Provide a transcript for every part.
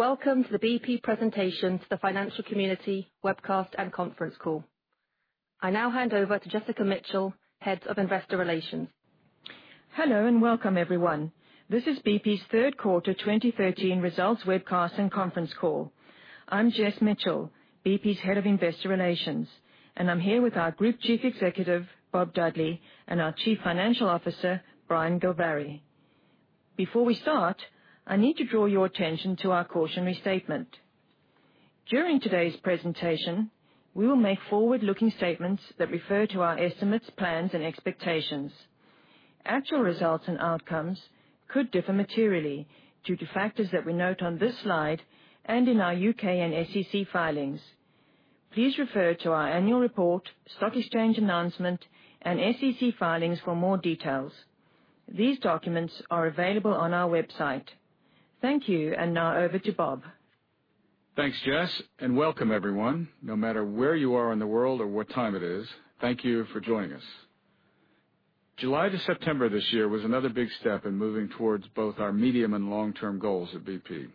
Welcome to the BP presentation to the financial community webcast and conference call. I now hand over to Jessica Mitchell, Head of Investor Relations. Hello, welcome, everyone. This is BP's third quarter 2013 results webcast and conference call. I'm Jess Mitchell, BP's Head of Investor Relations, and I'm here with our Group Chief Executive, Bob Dudley, and our Chief Financial Officer, Brian Gilvary. Before we start, I need to draw your attention to our cautionary statement. During today's presentation, we will make forward-looking statements that refer to our estimates, plans, and expectations. Actual results and outcomes could differ materially due to factors that we note on this slide and in our U.K. and SEC filings. Please refer to our annual report, stock exchange announcement, and SEC filings for more details. These documents are available on our website. Thank you, now over to Bob. Thanks, Jess, welcome everyone. No matter where you are in the world or what time it is, thank you for joining us. July to September this year was another big step in moving towards both our medium and long-term goals at BP.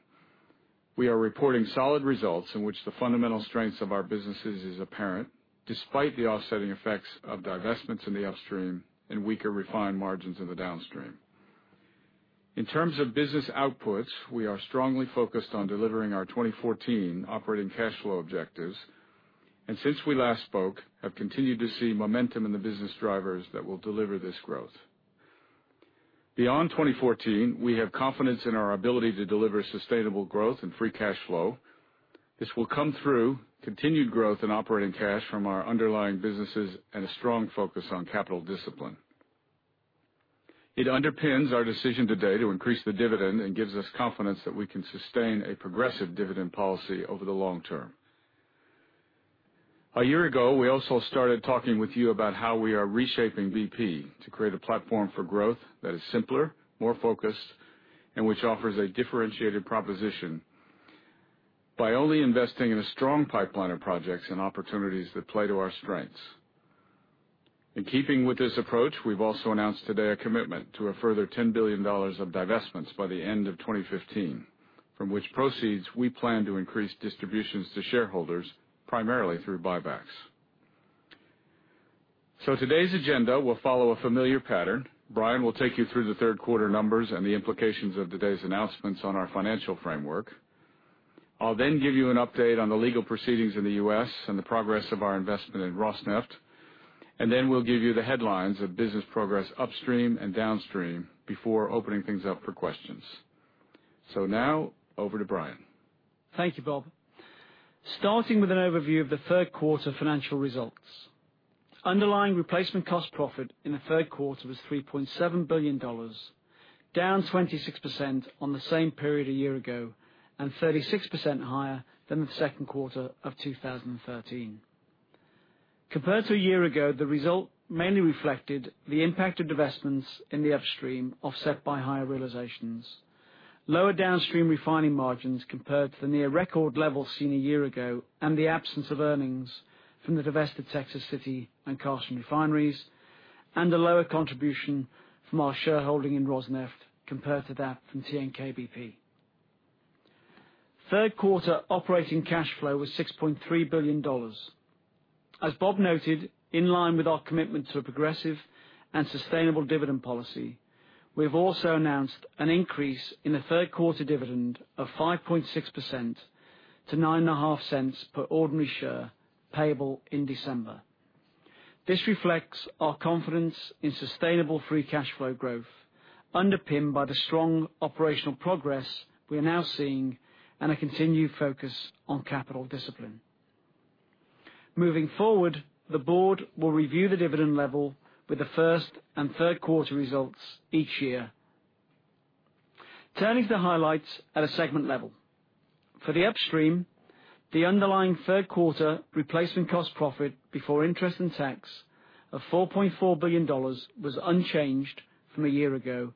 We are reporting solid results in which the fundamental strengths of our businesses is apparent, despite the offsetting effects of divestments in the upstream and weaker refined margins in the downstream. In terms of business outputs, we are strongly focused on delivering our 2014 operating cash flow objectives, since we last spoke, have continued to see momentum in the business drivers that will deliver this growth. Beyond 2014, we have confidence in our ability to deliver sustainable growth and free cash flow. This will come through continued growth in operating cash from our underlying businesses and a strong focus on capital discipline. It underpins our decision today to increase the dividend and gives us confidence that we can sustain a progressive dividend policy over the long term. A year ago, we also started talking with you about how we are reshaping BP to create a platform for growth that is simpler, more focused, and which offers a differentiated proposition by only investing in a strong pipeline of projects and opportunities that play to our strengths. In keeping with this approach, we've also announced today a commitment to a further $10 billion of divestments by the end of 2015, from which proceeds we plan to increase distributions to shareholders, primarily through buybacks. Today's agenda will follow a familiar pattern. Brian will take you through the third quarter numbers and the implications of today's announcements on our financial framework. I'll give you an update on the legal proceedings in the U.S. and the progress of our investment in Rosneft. We'll give you the headlines of business progress upstream and downstream before opening things up for questions. Now, over to Brian. Thank you, Bob. Starting with an overview of the third quarter financial results. Underlying replacement cost profit in the third quarter was $3.7 billion, down 26% on the same period a year ago. 36% higher than the second quarter of 2013. Compared to a year ago, the result mainly reflected the impact of divestments in the upstream, offset by higher realizations, lower downstream refining margins compared to the near record level seen a year ago, and the absence of earnings from the divested Texas City and Carson refineries, and a lower contribution from our shareholding in Rosneft compared to that from TNK-BP. Third quarter operating cash flow was $6.3 billion. As Bob noted, in line with our commitment to a progressive and sustainable dividend policy, we have also announced an increase in the third quarter dividend of 5.6% to $0.095 per ordinary share, payable in December. This reflects our confidence in sustainable free cash flow growth, underpinned by the strong operational progress we are now seeing and a continued focus on capital discipline. Moving forward, the board will review the dividend level with the first and third quarter results each year. Turning to the highlights at a segment level. For the upstream, the underlying third quarter replacement cost profit before interest and tax of $4.4 billion was unchanged from a year ago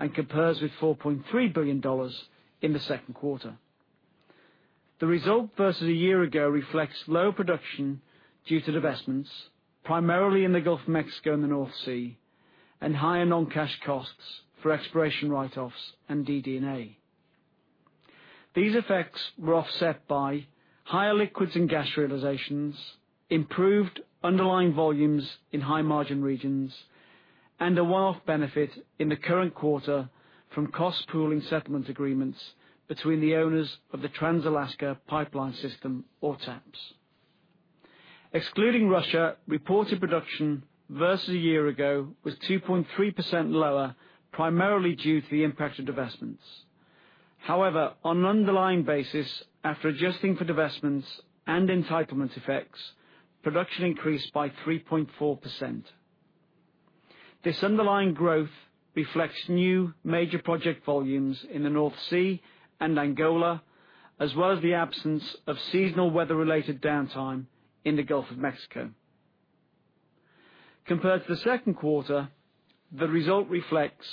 and compares with $4.3 billion in the second quarter. The result versus a year ago reflects lower production due to divestments, primarily in the Gulf of Mexico and the North Sea, and higher non-cash costs for exploration write-offs and DD&A. These effects were offset by higher liquids and gas realizations, improved underlying volumes in high margin regions, and a one-off benefit in the current quarter from cost pooling settlement agreements between the owners of the Trans-Alaska Pipeline System or TAPS. Excluding Russia, reported production versus a year ago was 2.3% lower, primarily due to the impact of divestments. However, on an underlying basis, after adjusting for divestments and entitlement effects, production increased by 3.4%. This underlying growth reflects new major project volumes in the North Sea and Angola, as well as the absence of seasonal weather-related downtime in the Gulf of Mexico. Compared to the second quarter, the result reflects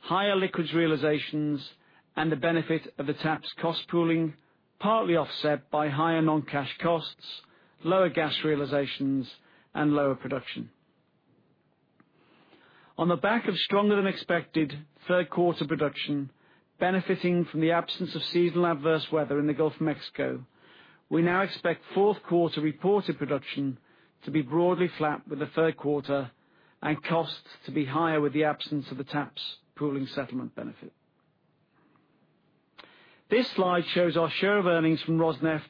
higher liquids realizations and the benefit of the TAPS cost pooling, partly offset by higher non-cash costs, lower gas realizations, and lower production. On the back of stronger than expected third quarter production, benefiting from the absence of seasonal adverse weather in the Gulf of Mexico, we now expect fourth quarter reported production to be broadly flat with the third quarter and costs to be higher with the absence of the TAPS pooling settlement benefit. This slide shows our share of earnings from Rosneft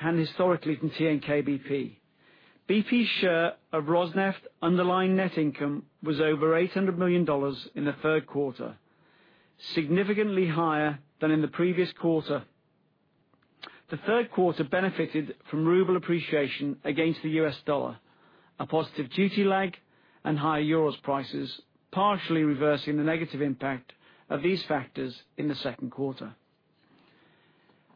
and historically from TNK-BP. BP's share of Rosneft underlying net income was over $800 million in the third quarter, significantly higher than in the previous quarter. The third quarter benefited from ruble appreciation against the US dollar, a positive duty lag, and higher Urals prices, partially reversing the negative impact of these factors in the second quarter.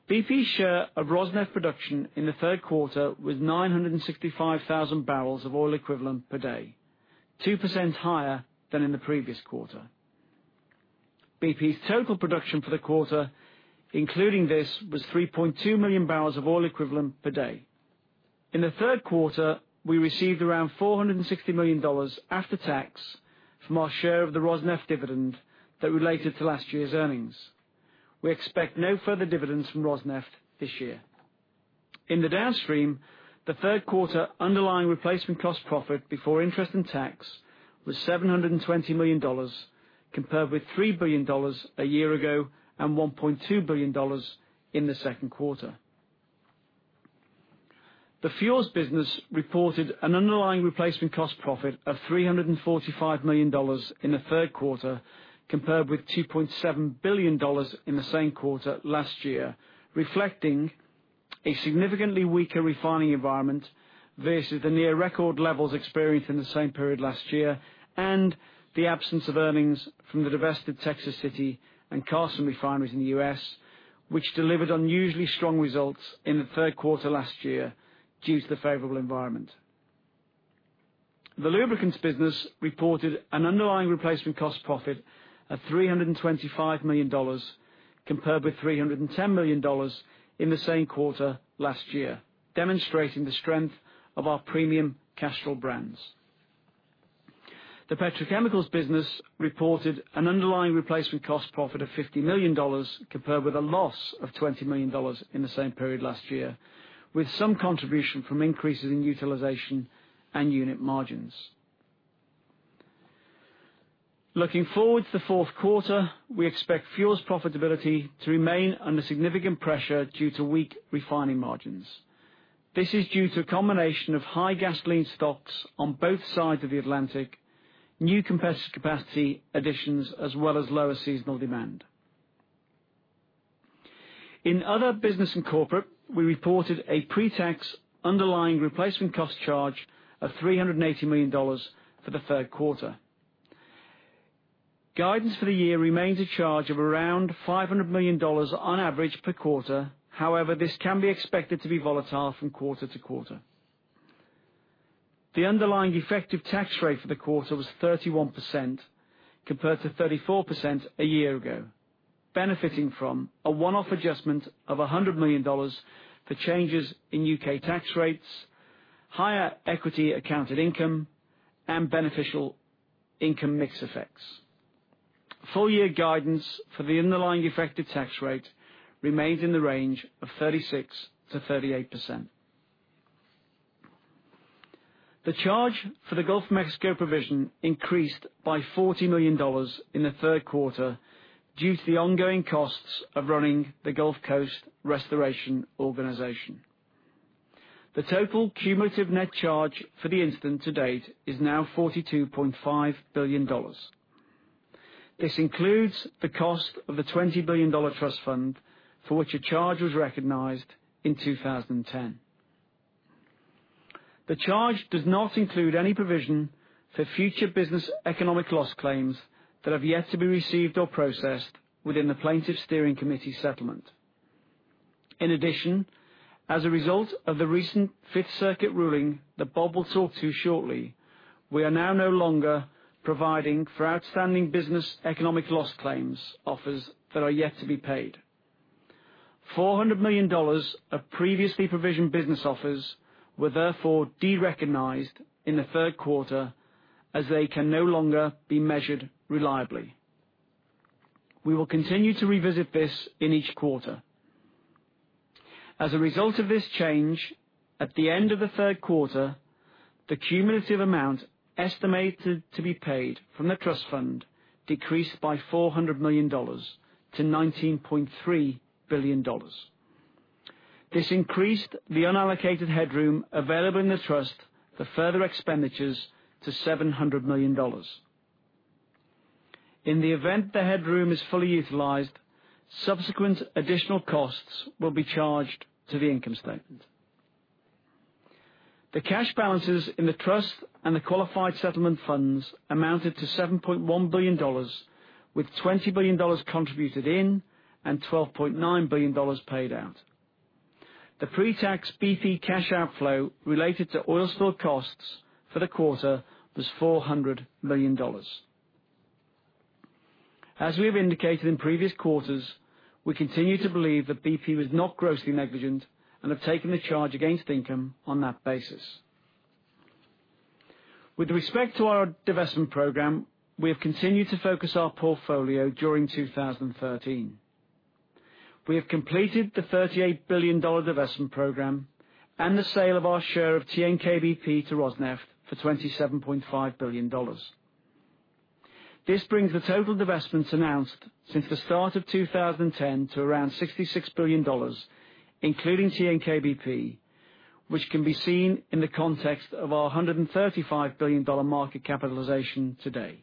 BP's share of Rosneft production in the third quarter was 965,000 barrels of oil equivalent per day, 2% higher than in the previous quarter. BP's total production for the quarter, including this, was 3.2 million barrels of oil equivalent per day. In the third quarter, we received around $460 million, after tax, from our share of the Rosneft dividend that related to last year's earnings. We expect no further dividends from Rosneft this year. In the downstream, the third quarter underlying replacement cost profit before interest and tax was $720 million, compared with $3 billion a year ago and $1.2 billion in the second quarter. The fuels business reported an underlying replacement cost profit of $345 million in the third quarter, compared with $2.7 billion in the same quarter last year, reflecting a significantly weaker refining environment versus the near record levels experienced in the same period last year, and the absence of earnings from the divested Texas City and Carson refineries in the U.S., which delivered unusually strong results in the third quarter last year due to the favorable environment. The lubricants business reported an underlying replacement cost profit of $325 million, compared with $310 million in the same quarter last year, demonstrating the strength of our premium Castrol brands. The petrochemicals business reported an underlying replacement cost profit of $50 million, compared with a loss of $20 million in the same period last year, with some contribution from increases in utilization and unit margins. Looking forward to the fourth quarter, we expect fuels profitability to remain under significant pressure due to weak refining margins. In Other Businesses and Corporate, we reported a pre-tax underlying replacement cost charge of $380 million for the third quarter. Guidance for the year remains a charge of around $500 million on average per quarter. However, this can be expected to be volatile from quarter to quarter. The underlying effective tax rate for the quarter was 31%, compared to 34% a year ago, benefiting from a one-off adjustment of $100 million for changes in U.K. tax rates, higher equity accounted income, and beneficial income mix effects. Full year guidance for the underlying effective tax rate remains in the range of 36%-38%. The charge for the Gulf of Mexico provision increased by $40 million in the third quarter due to the ongoing costs of running the Gulf Coast Restoration Organization. The total cumulative net charge for the incident to date is now $42.5 billion. This includes the cost of the $20 billion trust fund, for which a charge was recognized in 2010. The charge does not include any provision for future business economic loss claims that have yet to be received or processed within the Plaintiffs' Steering Committee settlement. In addition, as a result of the recent Fifth Circuit ruling that Bob will talk to shortly, we are now no longer providing for outstanding business economic loss claims offers that are yet to be paid. $400 million of previously provisioned business offers were therefore derecognized in the third quarter, as they can no longer be measured reliably. We will continue to revisit this in each quarter. As a result of this change, at the end of the third quarter, the cumulative amount estimated to be paid from the trust fund decreased by $400 million to $19.3 billion. This increased the unallocated headroom available in the trust for further expenditures to $700 million. In the event the headroom is fully utilized, subsequent additional costs will be charged to the income statement. The cash balances in the trust and the qualified settlement funds amounted to $7.1 billion, with $20 billion contributed in and $12.9 billion paid out. The pre-tax BP cash outflow related to oil spill costs for the quarter was $400 million. As we have indicated in previous quarters, we continue to believe that BP was not grossly negligent and have taken the charge against income on that basis. With respect to our divestment program, we have continued to focus our portfolio during 2013. We have completed the $38 billion divestment program and the sale of our share of TNK-BP to Rosneft for $27.5 billion. This brings the total divestments announced since the start of 2010 to around $66 billion, including TNK-BP, which can be seen in the context of our $135 billion market capitalization today.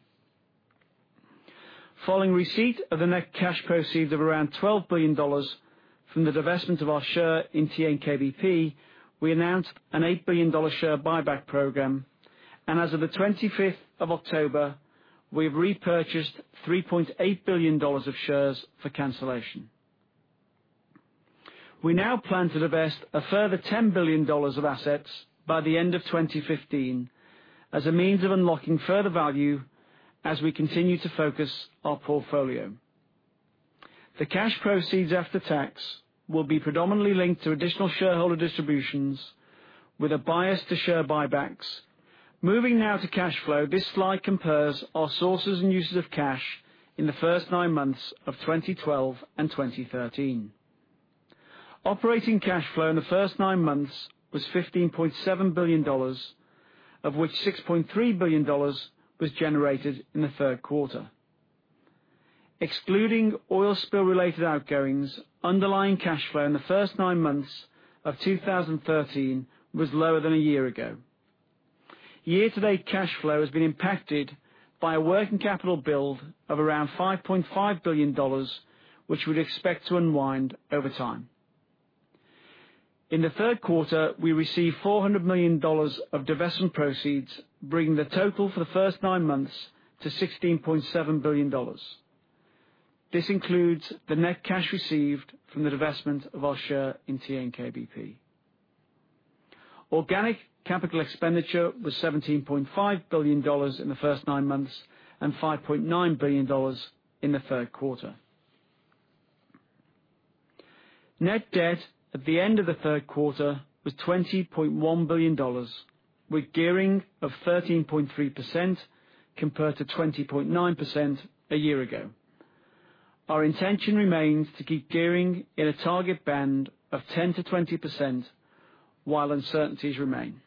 Following receipt of the net cash proceeds of around $12 billion from the divestment of our share in TNK-BP, we announced an $8 billion share buyback program, and as of the 25th of October, we have repurchased $3.8 billion of shares for cancellation. We now plan to divest a further $10 billion of assets by the end of 2015 as a means of unlocking further value as we continue to focus our portfolio. The cash proceeds after tax will be predominantly linked to additional shareholder distributions with a bias to share buybacks. Moving now to cash flow, this slide compares our sources and uses of cash in the first nine months of 2012 and 2013. Operating cash flow in the first nine months was $15.7 billion, of which $6.3 billion was generated in the third quarter. Excluding oil spill-related outgoings, underlying cash flow in the first nine months of 2013 was lower than a year ago. Year-to-date cash flow has been impacted by a working capital build of around $5.5 billion, which we'd expect to unwind over time. In the third quarter, we received $400 million of divestment proceeds, bringing the total for the first nine months to $16.7 billion. This includes the net cash received from the divestment of our share in TNK-BP. Organic capital expenditure was $17.5 billion in the first nine months and $5.9 billion in the third quarter. Net debt at the end of the third quarter was $20.1 billion, with gearing of 13.3% compared to 20.9% a year ago. Our intention remains to keep gearing in a target band of 10%-20% while uncertainties remain.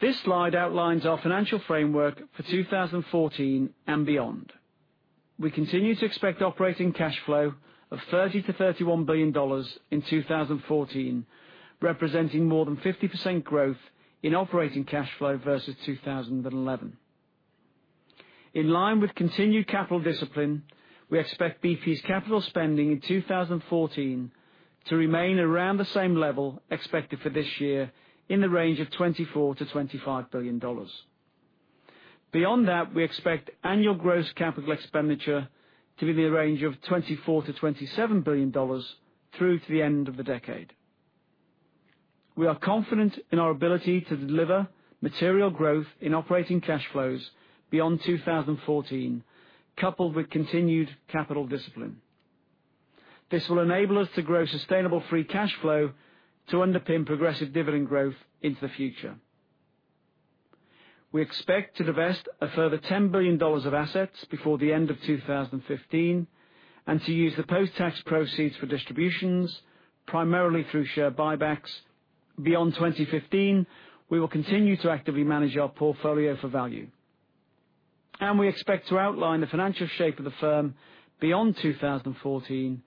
This slide outlines our financial framework for 2014 and beyond. We continue to expect operating cash flow of $30 billion-$31 billion in 2014, representing more than 50% growth in operating cash flow versus 2011. In line with continued capital discipline, we expect BP's capital spending in 2014 to remain around the same level expected for this year in the range of $24 billion-$25 billion. Beyond that, we expect annual gross capital expenditure to be in the range of $24 billion-$27 billion through to the end of the decade. We are confident in our ability to deliver material growth in operating cash flows beyond 2014, coupled with continued capital discipline. This will enable us to grow sustainable free cash flow to underpin progressive dividend growth into the future. We expect to divest a further $10 billion of assets before the end of 2015 and to use the post-tax proceeds for distributions, primarily through share buybacks. Beyond 2015, we will continue to actively manage our portfolio for value. We expect to outline the financial shape of the firm beyond 2014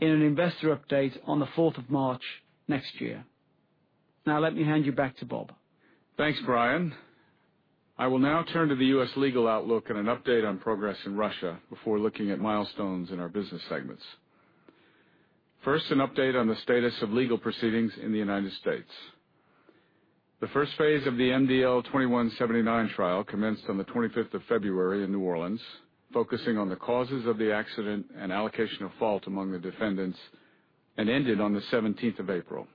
in an investor update on the 4th of March next year. Now, let me hand you back to Bob. Thanks, Brian. I will now turn to the U.S. legal outlook and an update on progress in Russia before looking at milestones in our business segments. First, an update on the status of legal proceedings in the United States. The first phase of the MDL 2179 trial commenced on the 25th of February in New Orleans, focusing on the causes of the accident and allocation of fault among the defendants, and ended on the 17th of April.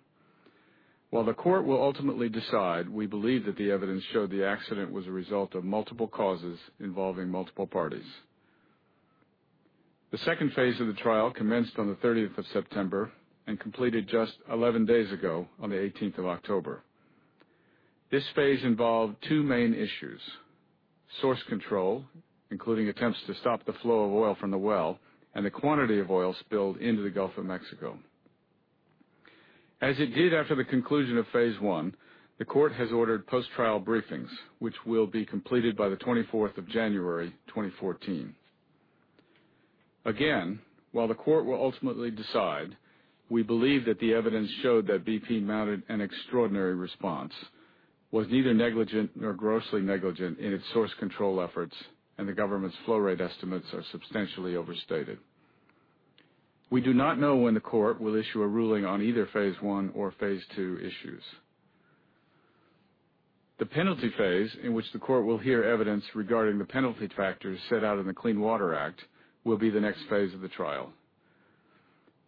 While the court will ultimately decide, we believe that the evidence showed the accident was a result of multiple causes involving multiple parties. The second phase of the trial commenced on the 30th of September and completed just 11 days ago on the 18th of October. This phase involved two main issues, source control, including attempts to stop the flow of oil from the well, and the quantity of oil spilled into the Gulf of Mexico. As it did after the conclusion of phase one, the court has ordered post-trial briefings, which will be completed by the 24th of January 2014. Again, while the court will ultimately decide, we believe that the evidence showed that BP mounted an extraordinary response, was neither negligent nor grossly negligent in its source control efforts, and the government's flow rate estimates are substantially overstated. We do not know when the court will issue a ruling on either phase one or phase two issues. The penalty phase in which the court will hear evidence regarding the penalty factors set out in the Clean Water Act will be the next phase of the trial.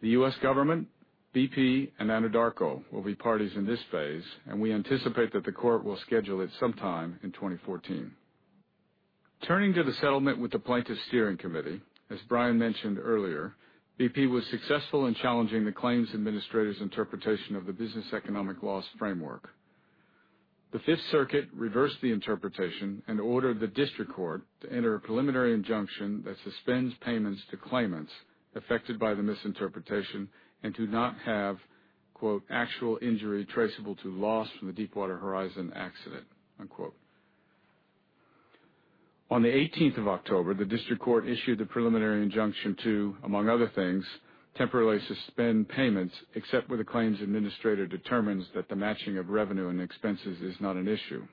The U.S. government, BP, and Anadarko will be parties in this phase, and we anticipate that the court will schedule it sometime in 2014. Turning to the settlement with the Plaintiffs' Steering Committee, as Brian mentioned earlier, BP was successful in challenging the claims administrator's interpretation of the business economic loss framework. The Fifth Circuit reversed the interpretation and ordered the district court to enter a preliminary injunction that suspends payments to claimants affected by the misinterpretation and to not have, quote, "actual injury traceable to loss from the Deepwater Horizon accident." Unquote. On the 18th of October, the district court issued the preliminary injunction to, among other things, temporarily suspend payments, except where the claims administrator determines that the matching of revenue and expenses is not an issue.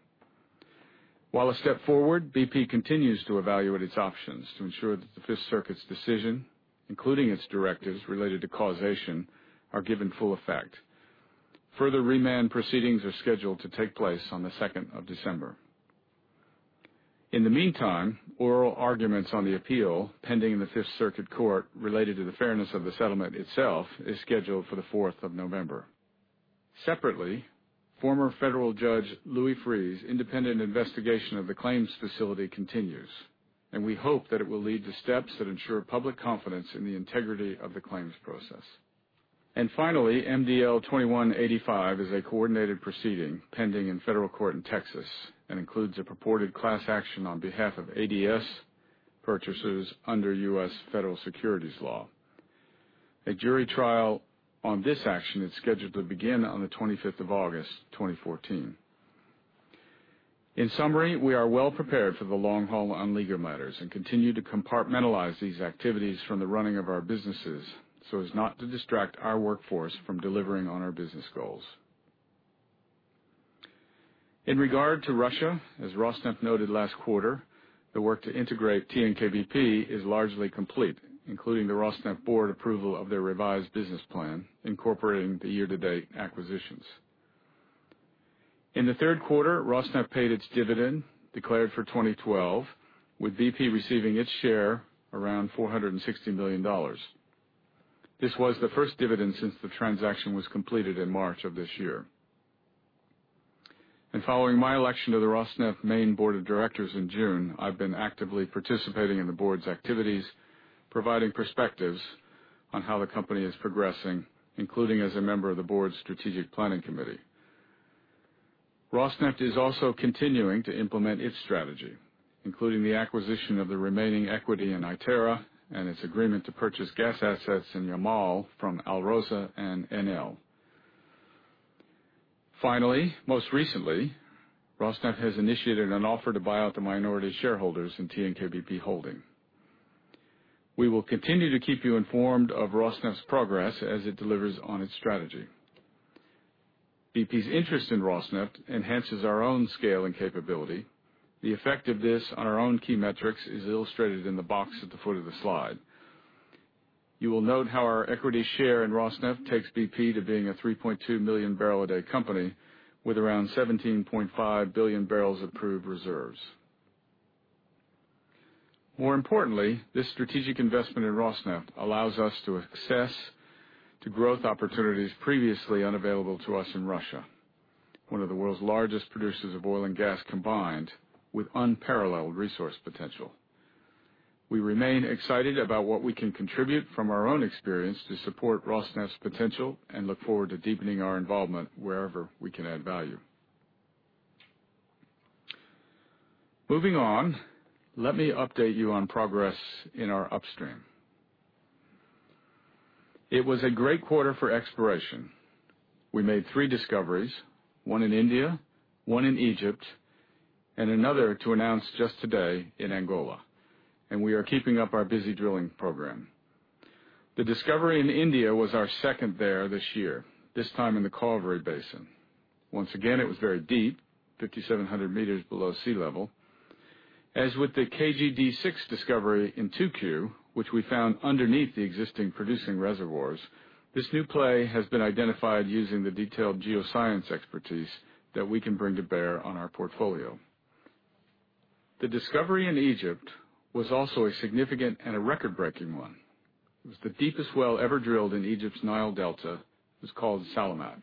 While a step forward, BP continues to evaluate its options to ensure that the Fifth Circuit's decision, including its directives related to causation, are given full effect. Further remand proceedings are scheduled to take place on the 2nd of December. In the meantime, oral arguments on the appeal, pending in the Fifth Circuit Court related to the fairness of the settlement itself, is scheduled for the 4th of November. Separately, former federal judge Louis Freeh's independent investigation of the claims facility continues, and we hope that it will lead to steps that ensure public confidence in the integrity of the claims process. MDL 2185 is a coordinated proceeding pending in federal court in Texas and includes a purported class action on behalf of ADS purchasers under U.S. federal securities law. A jury trial on this action is scheduled to begin on the 25th of August, 2014. In summary, we are well prepared for the long haul on legal matters and continue to compartmentalize these activities from the running of our businesses, so as not to distract our workforce from delivering on our business goals. In regard to Russia, as Rosneft noted last quarter, the work to integrate TNK-BP is largely complete, including the Rosneft board approval of their revised business plan, incorporating the year-to-date acquisitions. In the third quarter, Rosneft paid its dividend, declared for 2012, with BP receiving its share around $460 million. This was the first dividend since the transaction was completed in March of this year. Following my election to the Rosneft Main Board of Directors in June, I've been actively participating in the board's activities, providing perspectives on how the company is progressing, including as a member of the board's strategic planning committee. Rosneft is also continuing to implement its strategy, including the acquisition of the remaining equity in ITERA and its agreement to purchase gas assets in Yamal from Alrosa and Enel. Finally, most recently, Rosneft has initiated an offer to buy out the minority shareholders in TNK-BP Holding. We will continue to keep you informed of Rosneft's progress as it delivers on its strategy. BP's interest in Rosneft enhances our own scale and capability. The effect of this on our own key metrics is illustrated in the box at the foot of the slide. You will note how our equity share in Rosneft takes BP to being a 3.2 million barrel a day company with around 17.5 billion barrels of proved reserves. More importantly, this strategic investment in Rosneft allows us to access to growth opportunities previously unavailable to us in Russia, one of the world's largest producers of oil and gas combined with unparalleled resource potential. We remain excited about what we can contribute from our own experience to support Rosneft's potential and look forward to deepening our involvement wherever we can add value. Moving on, let me update you on progress in our upstream. It was a great quarter for exploration. We made three discoveries, one in India, one in Egypt, and another to announce just today in Angola. We are keeping up our busy drilling program. The discovery in India was our second there this year, this time in the Cauvery Basin. Once again, it was very deep, 5,700 meters below sea level. As with the KG-D6 discovery in 2Q, which we found underneath the existing producing reservoirs, this new play has been identified using the detailed geoscience expertise that we can bring to bear on our portfolio. The discovery in Egypt was also a significant and a record-breaking one. It was the deepest well ever drilled in Egypt's Nile Delta. It was called Salamat.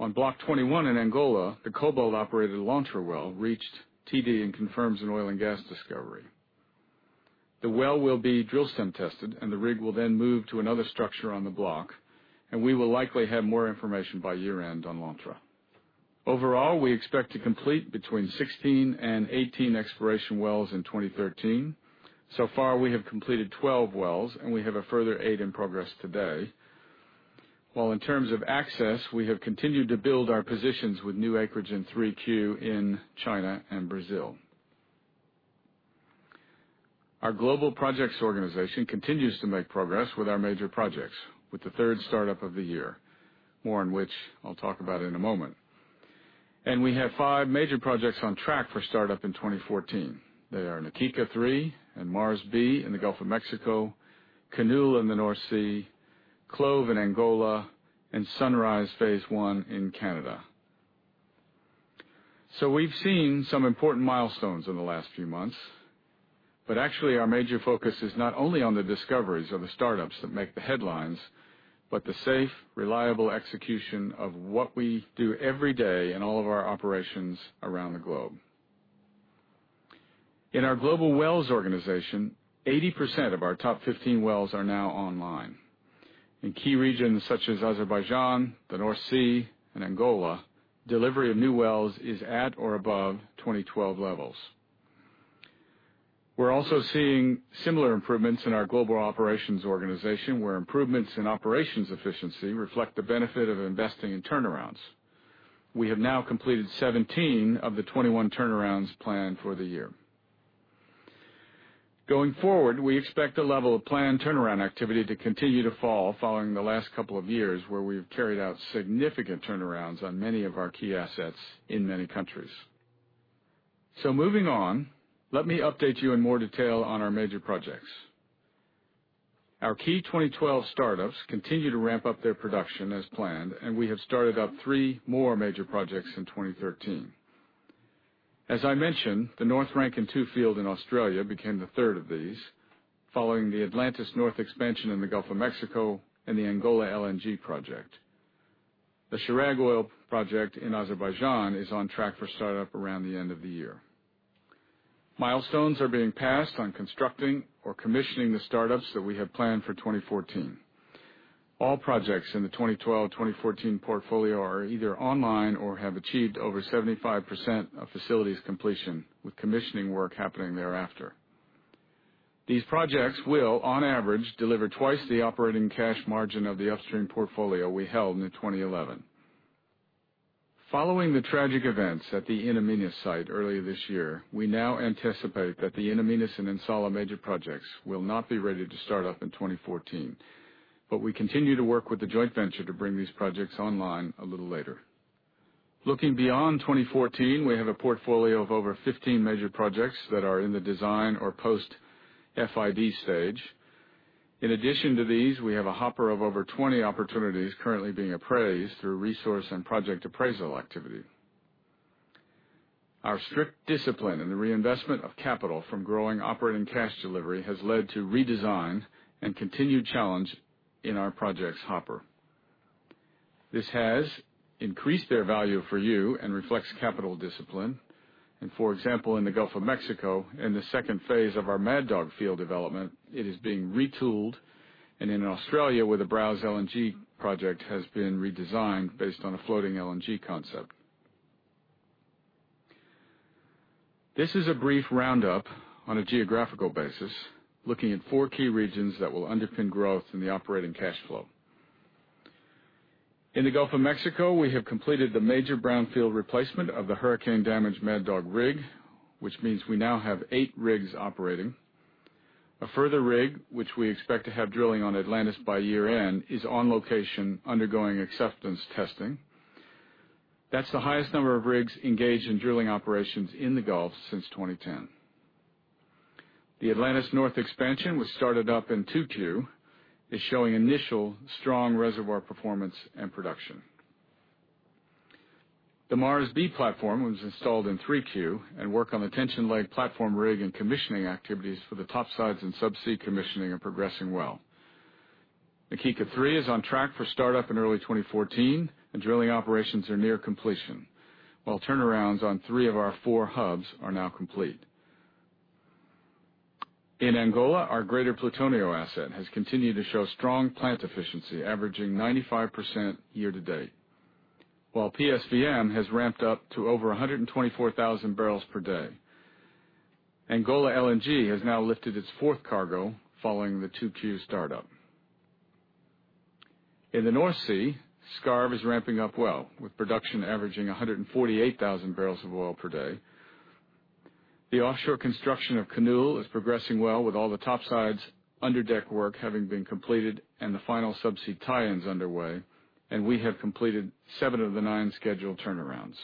On Block 21 in Angola, the Cobalt-operated Lontra well reached TD and confirms an oil and gas discovery. The well will be drill stem tested. The rig will then move to another structure on the block. We will likely have more information by year-end on Lontra. Overall, we expect to complete between 16 and 18 exploration wells in 2013. So far, we have completed 12 wells, and we have a further eight in progress today. While in terms of access, we have continued to build our positions with new acreage in 3Q in China and Brazil. Our global projects organization continues to make progress with our major projects with the third startup of the year, more on which I will talk about in a moment. We have five major projects on track for startup in 2014. They are Na Kika-3 and Mars B in the Gulf of Mexico, Canoe in the North Sea, CLOV in Angola, and Sunrise Phase 1 in Canada. We have seen some important milestones in the last few months, but actually our major focus is not only on the discoveries of the startups that make the headlines, but the safe, reliable execution of what we do every day in all of our operations around the globe. In our global wells organization, 80% of our top 15 wells are now online. In key regions such as Azerbaijan, the North Sea, and Angola, delivery of new wells is at or above 2012 levels. We are also seeing similar improvements in our global operations organization, where improvements in operations efficiency reflect the benefit of investing in turnarounds. We have now completed 17 of the 21 turnarounds planned for the year. Going forward, we expect the level of planned turnaround activity to continue to fall following the last couple of years, where we have carried out significant turnarounds on many of our key assets in many countries. Moving on, let me update you in more detail on our major projects. Our key 2012 startups continue to ramp up their production as planned. We have started up three more major projects in 2013. As I mentioned, the North Rankin 2 field in Australia became the third of these, following the Atlantis North expansion in the Gulf of Mexico and the Angola LNG project. The Chirag oil project in Azerbaijan is on track for startup around the end of the year. Milestones are being passed on constructing or commissioning the startups that we have planned for 2014. All projects in the 2012/2014 portfolio are either online or have achieved over 75% of facilities completion, with commissioning work happening thereafter. These projects will, on average, deliver twice the operating cash margin of the upstream portfolio we held in 2011. Following the tragic events at the In Amenas site earlier this year, we now anticipate that the In Amenas and In Salah major projects will not be ready to start up in 2014. We continue to work with the joint venture to bring these projects online a little later. Looking beyond 2014, we have a portfolio of over 15 major projects that are in the design or post-FID stage. In addition to these, we have a hopper of over 20 opportunities currently being appraised through resource and project appraisal activity. Our strict discipline in the reinvestment of capital from growing operating cash delivery has led to redesign and continued challenge in our projects hopper. This has increased their value for you and reflects capital discipline. For example, in the Gulf of Mexico, in the second phase of our Mad Dog field development, it is being retooled, and in Australia, where the Browse LNG project has been redesigned based on a floating LNG concept. This is a brief roundup on a geographical basis, looking at four key regions that will underpin growth in the operating cash flow. In the Gulf of Mexico, we have completed the major brownfield replacement of the hurricane-damaged Mad Dog rig, which means we now have eight rigs operating. A further rig, which we expect to have drilling on Atlantis by year-end, is on location, undergoing acceptance testing. That's the highest number of rigs engaged in drilling operations in the Gulf since 2010. The Atlantis North expansion, which started up in 2Q, is showing initial strong reservoir performance and production. The Mars B platform was installed in 3Q, and work on the tension leg platform rig and commissioning activities for the topsides and subsea commissioning are progressing well. The Na Kika Phase 3 is on track for startup in early 2014, and drilling operations are near completion. While turnarounds on three of our four hubs are now complete. In Angola, our Greater Plutonio asset has continued to show strong plant efficiency, averaging 95% year to date. While PSVM has ramped up to over 124,000 barrels per day. Angola LNG has now lifted its fourth cargo following the 2Q startup. In the North Sea, Skarv is ramping up well, with production averaging 148,000 barrels of oil per day. The offshore construction of Canoe is progressing well, with all the topsides under deck work having been completed and the final subsea tie-ins underway, and we have completed seven of the nine scheduled turnarounds.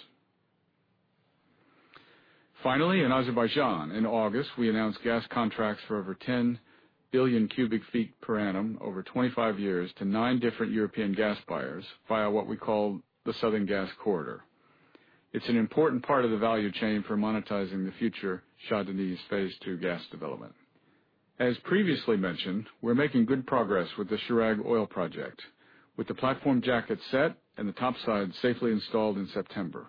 Finally, in Azerbaijan in August, we announced gas contracts for over 10 billion cubic feet per annum over 25 years to nine different European gas buyers via what we call the Southern Gas Corridor. It's an important part of the value chain for monetizing the future Shah Deniz Phase Two gas development. As previously mentioned, we're making good progress with the Chirag oil project. With the platform jacket set and the topside safely installed in September.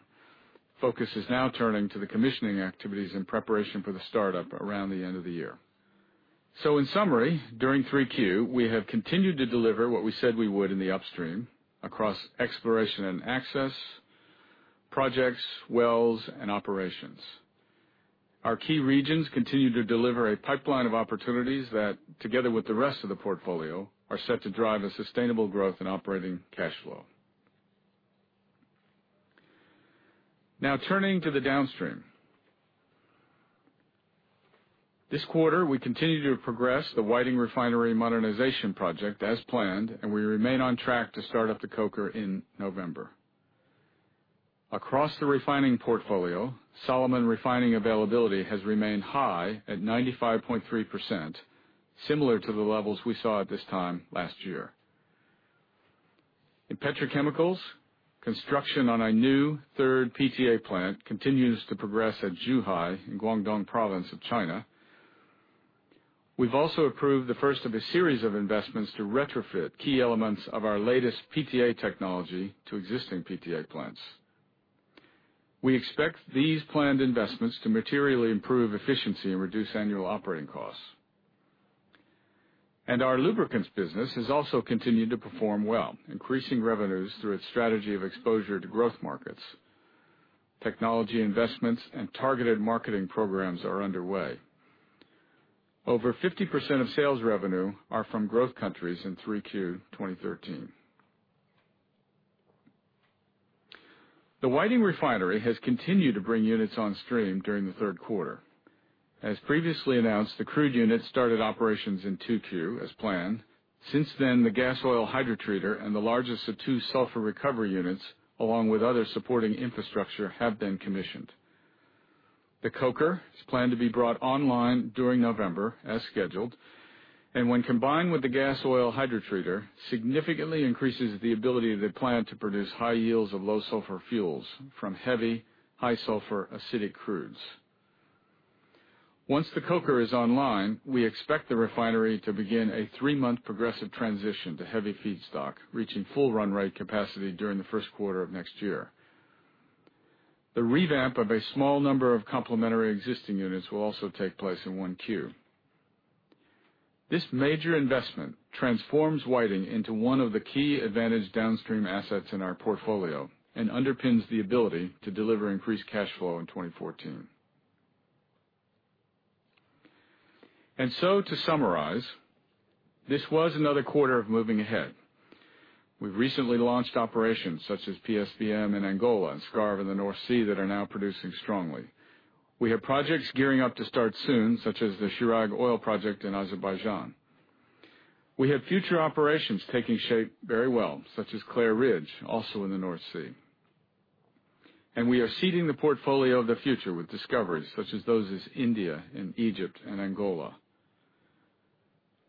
Focus is now turning to the commissioning activities in preparation for the startup around the end of the year. In summary, during 3Q, we have continued to deliver what we said we would in the upstream across exploration and access, projects, wells, and operations. Our key regions continue to deliver a pipeline of opportunities that, together with the rest of the portfolio, are set to drive a sustainable growth in operating cash flow. Turning to the downstream. This quarter, we continue to progress the Whiting Refinery modernization project as planned, and we remain on track to start up the coker in November. Across the refining portfolio, Solomon refining availability has remained high at 95.3%, similar to the levels we saw at this time last year. In petrochemicals, construction on a new third PTA plant continues to progress at Zhuhai in Guangdong province of China. We've also approved the first of a series of investments to retrofit key elements of our latest PTA technology to existing PTA plants. We expect these planned investments to materially improve efficiency and reduce annual operating costs. Our lubricants business has also continued to perform well, increasing revenues through its strategy of exposure to growth markets. Technology investments and targeted marketing programs are underway. Over 50% of sales revenue are from growth countries in Q3 2013. The Whiting Refinery has continued to bring units on stream during the third quarter. As previously announced, the crude unit started operations in Q2 as planned. Since then, the gas oil hydrotreater and the largest of two sulfur recovery units, along with other supporting infrastructure, have been commissioned. The coker is planned to be brought online during November as scheduled, and when combined with the gas oil hydrotreater, significantly increases the ability of the plant to produce high yields of low sulfur fuels from heavy, high sulfur acidic crudes. Once the coker is online, we expect the refinery to begin a three-month progressive transition to heavy feedstock, reaching full run rate capacity during the first quarter of next year. The revamp of a small number of complementary existing units will also take place in 1Q. This major investment transforms Whiting into one of the key advantage downstream assets in our portfolio and underpins the ability to deliver increased cash flow in 2014. To summarize, this was another quarter of moving ahead. We've recently launched operations such as PSVM in Angola and Skarv in the North Sea that are now producing strongly. We have projects gearing up to start soon, such as the Chirag oil project in Azerbaijan. We have future operations taking shape very well, such as Clair Ridge, also in the North Sea. We are seeding the portfolio of the future with discoveries such as those as India and Egypt and Angola.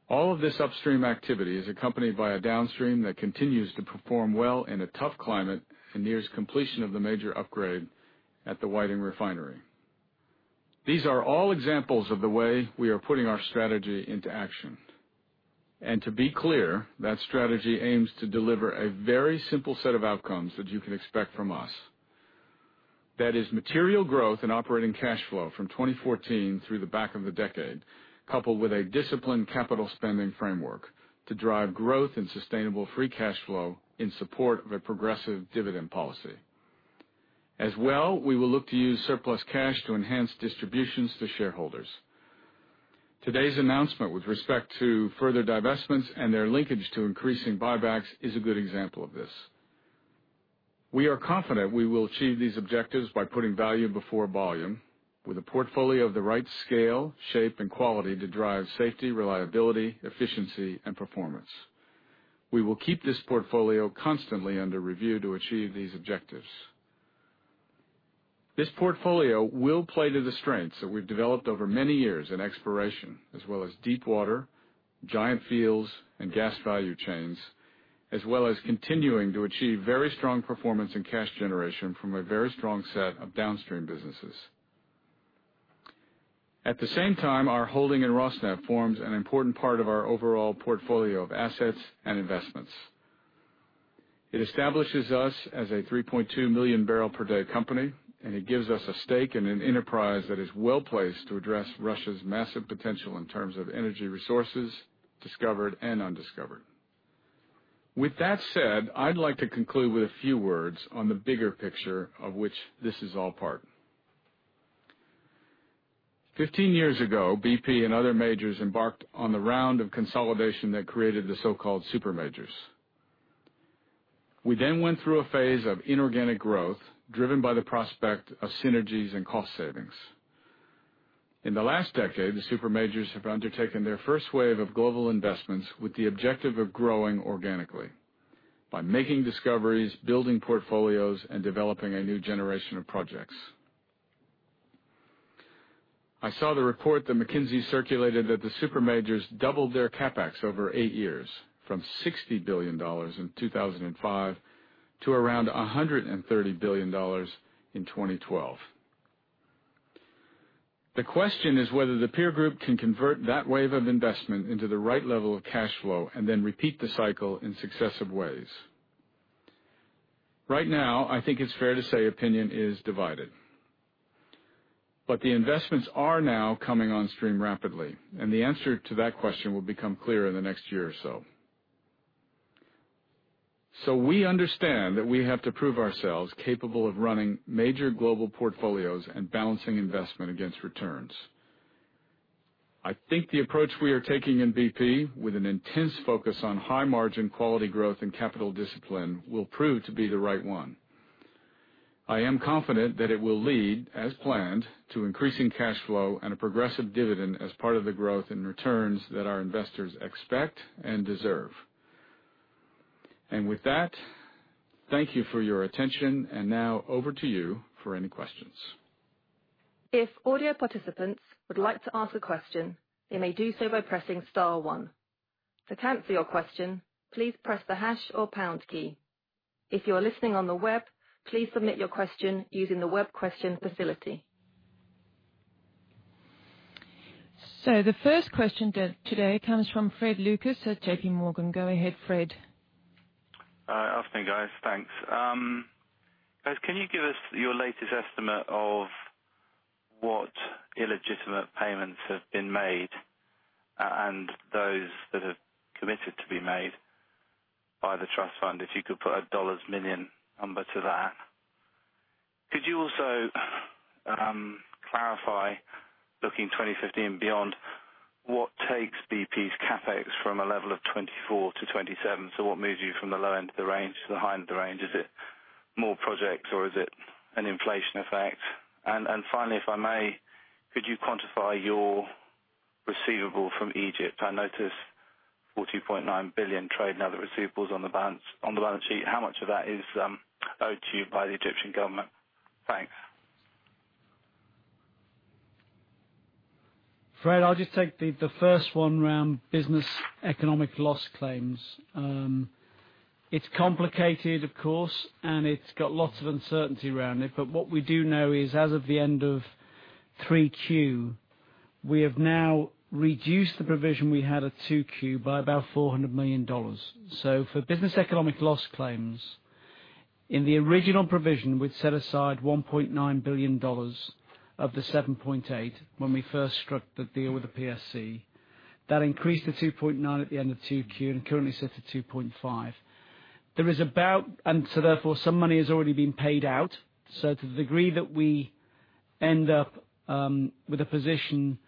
All of this upstream activity is accompanied by a downstream that continues to perform well in a tough climate and nears completion of the major upgrade at the Whiting Refinery. These are all examples of the way we are putting our strategy into action. To be clear, that strategy aims to deliver a very simple set of outcomes that you can expect from us. That is material growth in operating cash flow from 2014 through the back of the decade, coupled with a disciplined capital spending framework to drive growth and sustainable free cash flow in support of a progressive dividend policy. As well, we will look to use surplus cash to enhance distributions to shareholders. Today's announcement with respect to further divestments and their linkage to increasing buybacks is a good example of this. We are confident we will achieve these objectives by putting value before volume, with a portfolio of the right scale, shape, and quality to drive safety, reliability, efficiency, and performance. We will keep this portfolio constantly under review to achieve these objectives. This portfolio will play to the strengths that we've developed over many years in exploration as well as deep water, giant fields, and gas value chains, as well as continuing to achieve very strong performance in cash generation from a very strong set of downstream businesses. At the same time, our holding in Rosneft forms an important part of our overall portfolio of assets and investments. It establishes us as a 3.2 million barrel per day company, and it gives us a stake in an enterprise that is well-placed to address Russia's massive potential in terms of energy resources, discovered and undiscovered. With that said, I'd like to conclude with a few words on the bigger picture of which this is all part. 15 years ago, BP and other majors embarked on the round of consolidation that created the so-called supermajors. We then went through a phase of inorganic growth driven by the prospect of synergies and cost savings. In the last decade, the supermajors have undertaken their first wave of global investments with the objective of growing organically by making discoveries, building portfolios, and developing a new generation of projects. I saw the report that McKinsey circulated that the supermajors doubled their CapEx over 8 years from $60 billion in 2005 to around $130 billion in 2012. The question is whether the peer group can convert that wave of investment into the right level of cash flow and then repeat the cycle in successive ways. Right now, I think it's fair to say opinion is divided. The investments are now coming on stream rapidly, and the answer to that question will become clear in the next year or so. We understand that we have to prove ourselves capable of running major global portfolios and balancing investment against returns. I think the approach we are taking in BP with an intense focus on high margin quality growth and capital discipline will prove to be the right one. I am confident that it will lead, as planned, to increasing cash flow and a progressive dividend as part of the growth in returns that our investors expect and deserve. With that, thank you for your attention, and now over to you for any questions. If audio participants would like to ask a question, they may do so by pressing star 1. To cancel your question, please press the hash or pound key. If you are listening on the web, please submit your question using the web question facility. The first question today comes from Fred Lucas at J.P. Morgan. Go ahead, Fred. Hi. Afternoon, guys. Thanks. Guys, can you give us your latest estimate of what illegitimate payments have been made, and those that have committed to be made by the trust fund? If you could put a dollars million number to that. Could you also clarify, looking 2015 beyond, what takes BP's CapEx from a level of $24 billion-$27 billion? What moves you from the low end of the range to the high end of the range? Is it more projects, or is it an inflation effect? Finally, if I may, could you quantify your receivable from Egypt? I notice $42.9 billion trade now that receivables on the balance sheet. How much of that is owed to you by the Egyptian government? Thanks. Fred, I'll just take the first one around business economic loss claims. It's complicated, of course, and it's got lots of uncertainty around it. What we do know is as of the end of 3Q, we have now reduced the provision we had at 2Q by about $400 million. For business economic loss claims, in the original provision, we'd set aside $1.9 billion of the $7.8 billion when we first struck the deal with the PSC. That increased to $2.9 billion at the end of 2Q, and currently set to $2.5 billion. Therefore, some money has already been paid out. To the degree that we end up with a position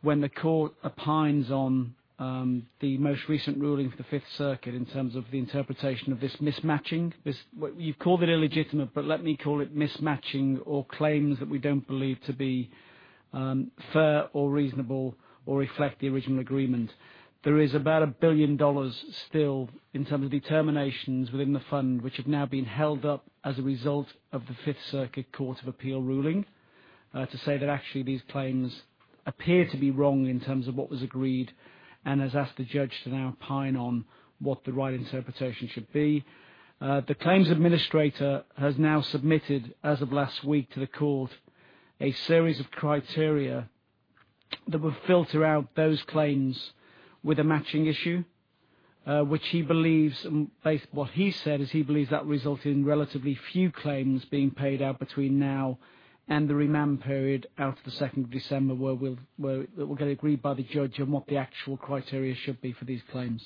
when the court opines on the most recent ruling for the Fifth Circuit in terms of the interpretation of this mismatching. You've called it illegitimate, but let me call it mismatching or claims that we don't believe to be fair or reasonable or reflect the original agreement. There is about $1 billion still in terms of determinations within the fund, which have now been held up as a result of the Fifth Circuit Court of Appeals ruling. To say that actually, these claims appear to be wrong in terms of what was agreed, has asked the judge to now opine on what the right interpretation should be. The claims administrator has now submitted, as of last week, to the court, a series of criteria that would filter out those claims with a matching issue, which he believes What he said is he believes that will result in relatively few claims being paid out between now and the remand period out to the second of December, where that will get agreed by the judge on what the actual criteria should be for these claims.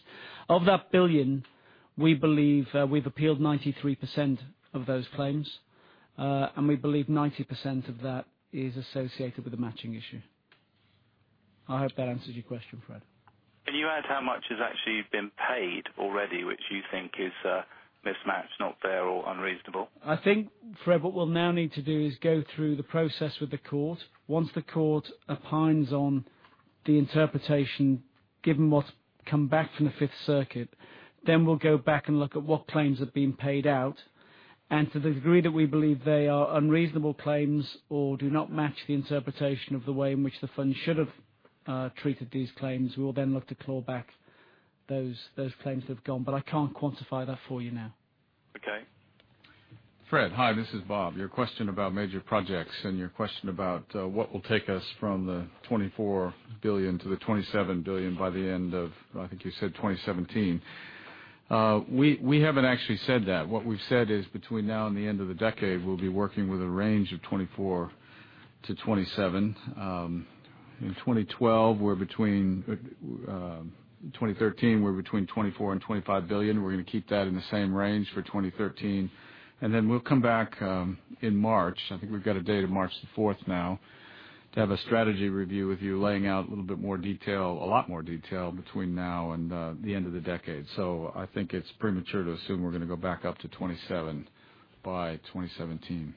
Of that billion, we believe we've appealed 93% of those claims. We believe 90% of that is associated with the matching issue. I hope that answers your question, Fred. Can you add how much has actually been paid already, which you think is mismatched, not fair, or unreasonable? I think, Fred, what we'll now need to do is go through the process with the court. Once the court opines on the interpretation, given what's come back from the Fifth Circuit, we'll go back and look at what claims have been paid out. To the degree that we believe they are unreasonable claims or do not match the interpretation of the way in which the fund should have treated these claims, we will then look to claw back those claims that have gone. I can't quantify that for you now. Okay. Fred, hi. This is Bob. Your question about major projects and your question about what will take us from the $24 billion to the $27 billion by the end of, I think you said 2017. We haven't actually said that. What we've said is between now and the end of the decade, we'll be working with a range of $24 billion-$27 billion. In 2013, we're between $24 billion and $25 billion. We're going to keep that in the same range for 2013. We'll come back in March. I think we've got a date of March the fourth now to have a strategy review with you laying out a little bit more detail, a lot more detail between now and the end of the decade. I think it's premature to assume we're going to go back up to $27 billion by 2017.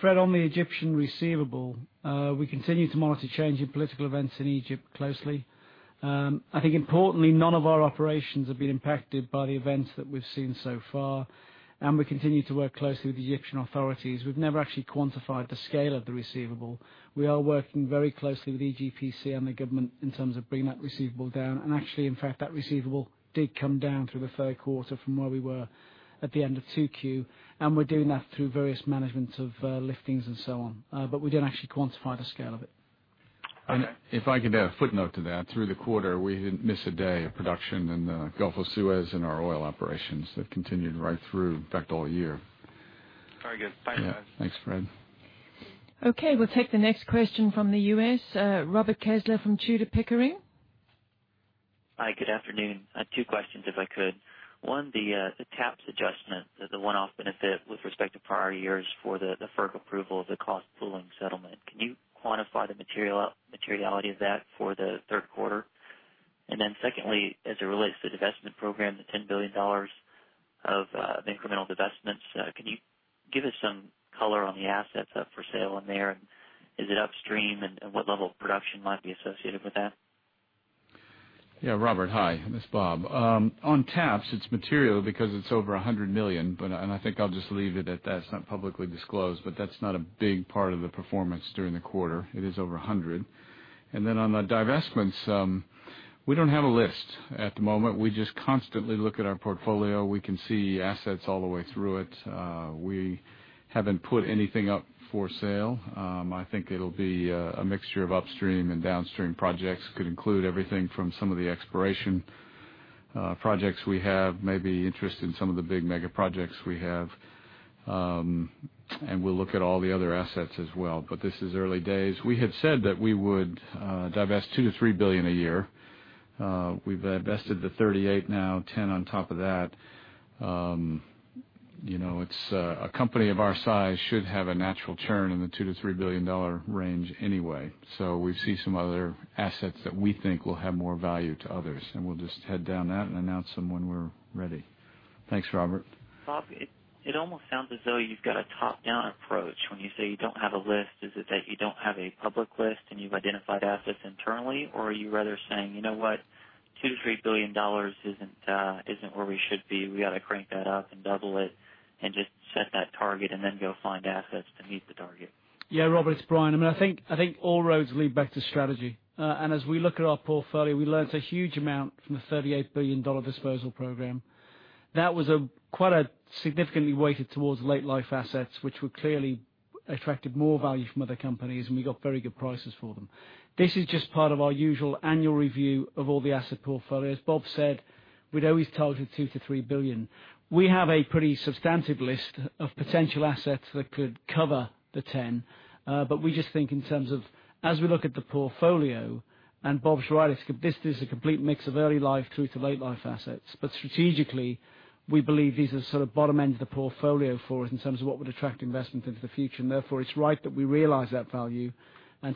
Fred, on the Egyptian receivable, we continue to monitor changing political events in Egypt closely. I think importantly, none of our operations have been impacted by the events that we've seen so far, and we continue to work closely with the Egyptian authorities. We've never actually quantified the scale of the receivable. We are working very closely with EGPC and the government in terms of bringing that receivable down. That receivable did come down through the third quarter from where we were at the end of 2Q. We're doing that through various management of liftings and so on. We don't actually quantify the scale of it. If I could add a footnote to that. Through the quarter, we didn't miss a day of production in the Gulf of Suez in our oil operations. They've continued right through, in fact, all year. Very good. Thanks, guys. Yeah. Thanks, Fred. Okay. We'll take the next question from the U.S., Robert Kessler from Tudor, Pickering. Hi, good afternoon. I have two questions, if I could. One, the TAPS adjustment, the one-off benefit with respect to prior years for the FERC approval of the cost pooling settlement. Can you quantify the materiality of that for the third quarter? Secondly, as it relates to the divestment program, the $10 billion of the incremental divestments, can you give us some color on the assets up for sale on there? Is it upstream, and what level of production might be associated with that? Yeah, Robert, hi. It's Bob. On TAPS, it's material because it's over $100 million, I think I'll just leave it at that. It's not publicly disclosed, but that's not a big part of the performance during the quarter. It is over $100. On the divestments, we don't have a list at the moment. We just constantly look at our portfolio. We can see assets all the way through it. We haven't put anything up for sale. I think it'll be a mixture of upstream and downstream projects. Could include everything from some of the exploration projects we have, maybe interest in some of the big mega projects we have. We'll look at all the other assets as well. This is early days. We had said that we would divest $2 billion-$3 billion a year. We've divested $38 now, $10 on top of that. A company of our size should have a natural churn in the $2 billion-$3 billion range anyway. We see some other assets that we think will have more value to others, and we'll just head down that and announce them when we're ready. Thanks, Robert. Bob, it almost sounds as though you've got a top-down approach when you say you don't have a list. Is it that you don't have a public list and you've identified assets internally, or are you rather saying, "You know what? $2 billion-$3 billion isn't where we should be. We got to crank that up and double it and just set that target and then go find assets to meet the target? Robert, it's Brian. I think all roads lead back to strategy. As we look at our portfolio, we learned a huge amount from the $38 billion disposal program. That was quite significantly weighted towards late life assets, which were clearly attracted more value from other companies, and we got very good prices for them. This is just part of our usual annual review of all the asset portfolios. Bob said we'd always targeted $2 billion-$3 billion. We have a pretty substantive list of potential assets that could cover the $10 billion. We just think in terms of, as we look at the portfolio, Bob's right, this is a complete mix of early life through to late life assets. Strategically, we believe these are sort of bottom-end of the portfolio for us in terms of what would attract investment into the future. Therefore, it's right that we realize that value.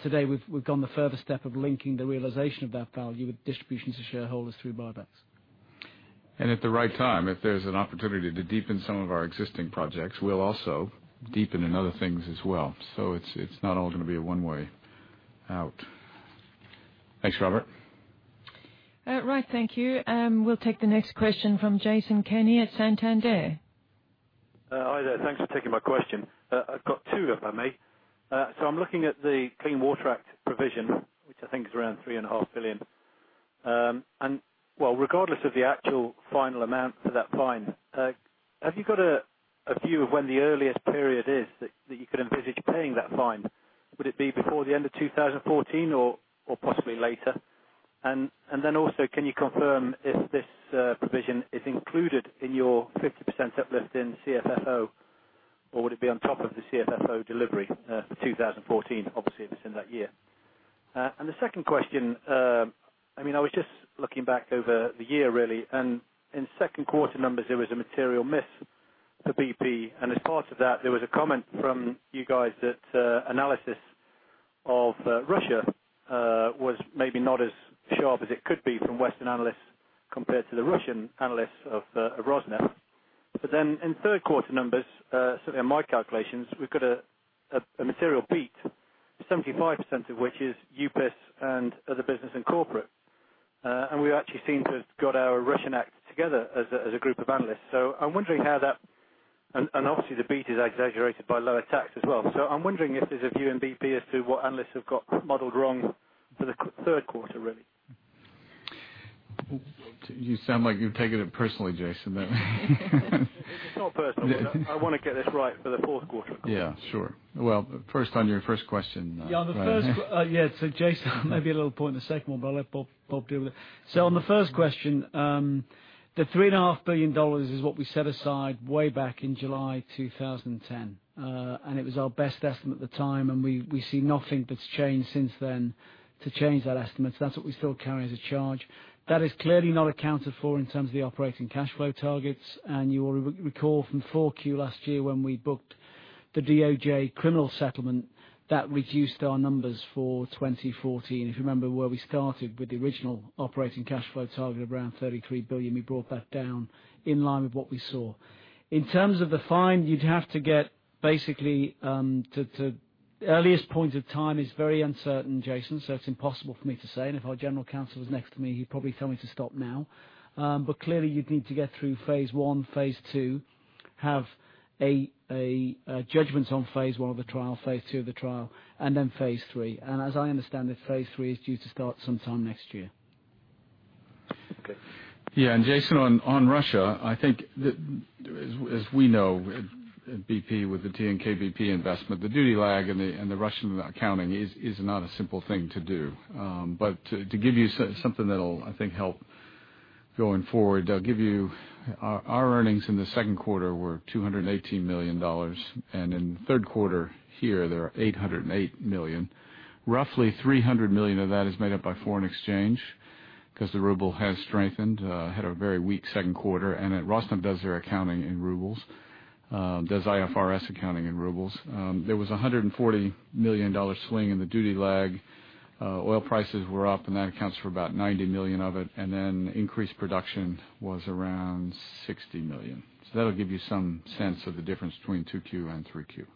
Today, we've gone the further step of linking the realization of that value with distributions to shareholders through buybacks. At the right time, if there's an opportunity to deepen some of our existing projects, we'll also deepen in other things as well. It's not all going to be a one-way-out. Thanks, Robert. Right. Thank you. We'll take the next question from Jason Kenney at Santander. Hi there. Thanks for taking my question. I've got two, if I may. I'm looking at the Clean Water Act provision, which I think is around $3.5 billion. Regardless of the actual final amount for that fine, have you got a view of when the earliest period is that you could envisage paying that fine? Would it be before the end of 2014 or possibly later? Also, can you confirm if this provision is included in your 50% uplift in CFFO, or would it be on top of the CFFO delivery for 2014, obviously, if it's in that year? The second question, I was just looking back over the year, really, and in second quarter numbers, there was a material miss for BP. As part of that, there was a comment from you guys that analysis of Russia was maybe not as sharp as it could be from Western analysts compared to the Russian analysts of Rosneft. In third quarter numbers, certainly in my calculations, we've got a material beat, 75% of which is UPIS and Other Businesses and Corporate. We actually seem to have got our Russian act together as a group of analysts. Obviously, the beat is exaggerated by lower tax as well. I'm wondering if there's a view in BP as to what analysts have got modeled wrong for the third quarter, really. You sound like you've taken it personally, Jason. It's not personal. I want to get this right for the fourth quarter. Yeah, sure. Well, first, on your first question, Brian. Yeah. Jason, maybe a little point in the second one, but I'll let Bob deal with it. On the first question, the $3.5 billion is what we set aside way back in July 2010. It was our best estimate at the time, and we see nothing that's changed since then to change that estimate. That's what we still carry as a charge. That is clearly not accounted for in terms of the operating cash flow targets. You will recall from 4Q last year when we booked the DOJ criminal settlement, that reduced our numbers for 2014. If you remember where we started with the original operating cash flow target of around $33 billion, we brought that down in line with what we saw. In terms of the fine, you'd have to get basically to earliest point of time is very uncertain, Jason Kenney, so it's impossible for me to say. If our general counsel was next to me, he'd probably tell me to stop now. Clearly, you'd need to get through phase I, phase II, have judgments on phase I of the trial, phase II of the trial, and then phase III. As I understand it, phase III is due to start sometime next year. Okay. Yeah. Jason Kenney, on Russia, I think as we know at BP with the TNK-BP investment, the duty lag and the Russian accounting is not a simple thing to do. To give you something that'll, I think, help going forward, I'll give you our earnings in the second quarter were $218 million, and in the third quarter here, they're $808 million. Roughly $300 million of that is made up by foreign exchange because the ruble has strengthened, had a very weak second quarter, and Rosneft does their accounting in rubles, does IFRS accounting in rubles. There was $140 million swing in the duty lag. Oil prices were up, and that accounts for about $90 million of it, increased production was around $60 million. That'll give you some sense of the difference between 2Q and 3Q.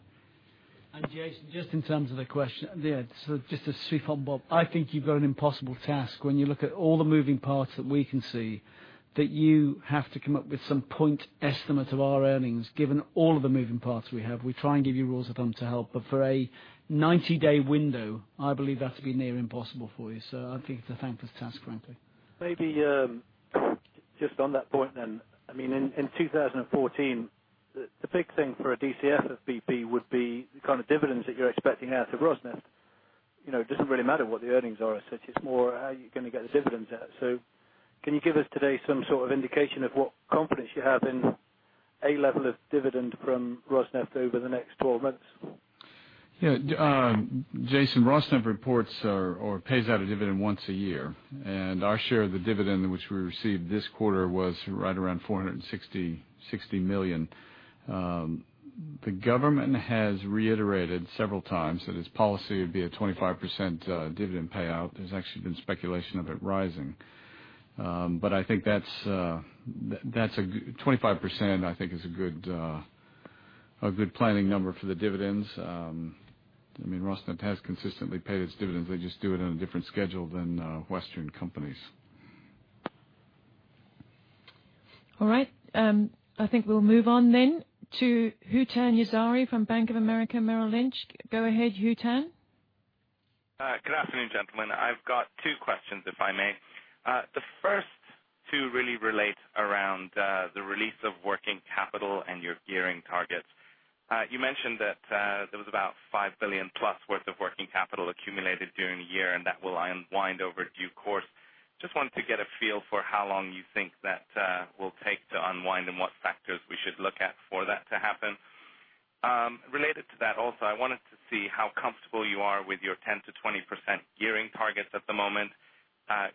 Jason Kenney, just in terms of the question, yeah, just to sweep on Bob Dudley, I think you've got an impossible task when you look at all the moving parts that we can see, that you have to come up with some point estimate of our earnings, given all of the moving parts we have. We try and give you rules of thumb to help, but for a 90-day window, I believe that to be near impossible for you. I think it's a thankless task, frankly. Maybe just on that point then. In 2014, the big thing for a DCF of BP would be the kind of dividends that you're expecting now to Rosneft. It doesn't really matter what the earnings are as such. It's more how you're going to get the dividends out. Can you give us today some sort of indication of what confidence you have in a level of dividend from Rosneft over the next 12 months? Jason, Rosneft reports or pays out a dividend once a year, and our share of the dividend which we received this quarter was right around $460 million. The government has reiterated several times that its policy would be a 25% dividend payout. There's actually been speculation of it rising. I think 25% I think is a good planning number for the dividends. Rosneft has consistently paid its dividends. They just do it on a different schedule than Western companies. All right. I think we'll move on to Hootan Yazhari from Bank of America Merrill Lynch. Go ahead, Hootan. Good afternoon, gentlemen. I've got two questions, if I may. The first two really relate around the release of working capital and your gearing targets. You mentioned that there was about $5 billion plus worth of working capital accumulated during the year, and that will unwind over due course. Just wanted to get a feel for how long you think that will take to unwind and what factors we should look at for that to happen. Related to that also, I wanted to see how comfortable you are with your 10%-20% gearing targets at the moment.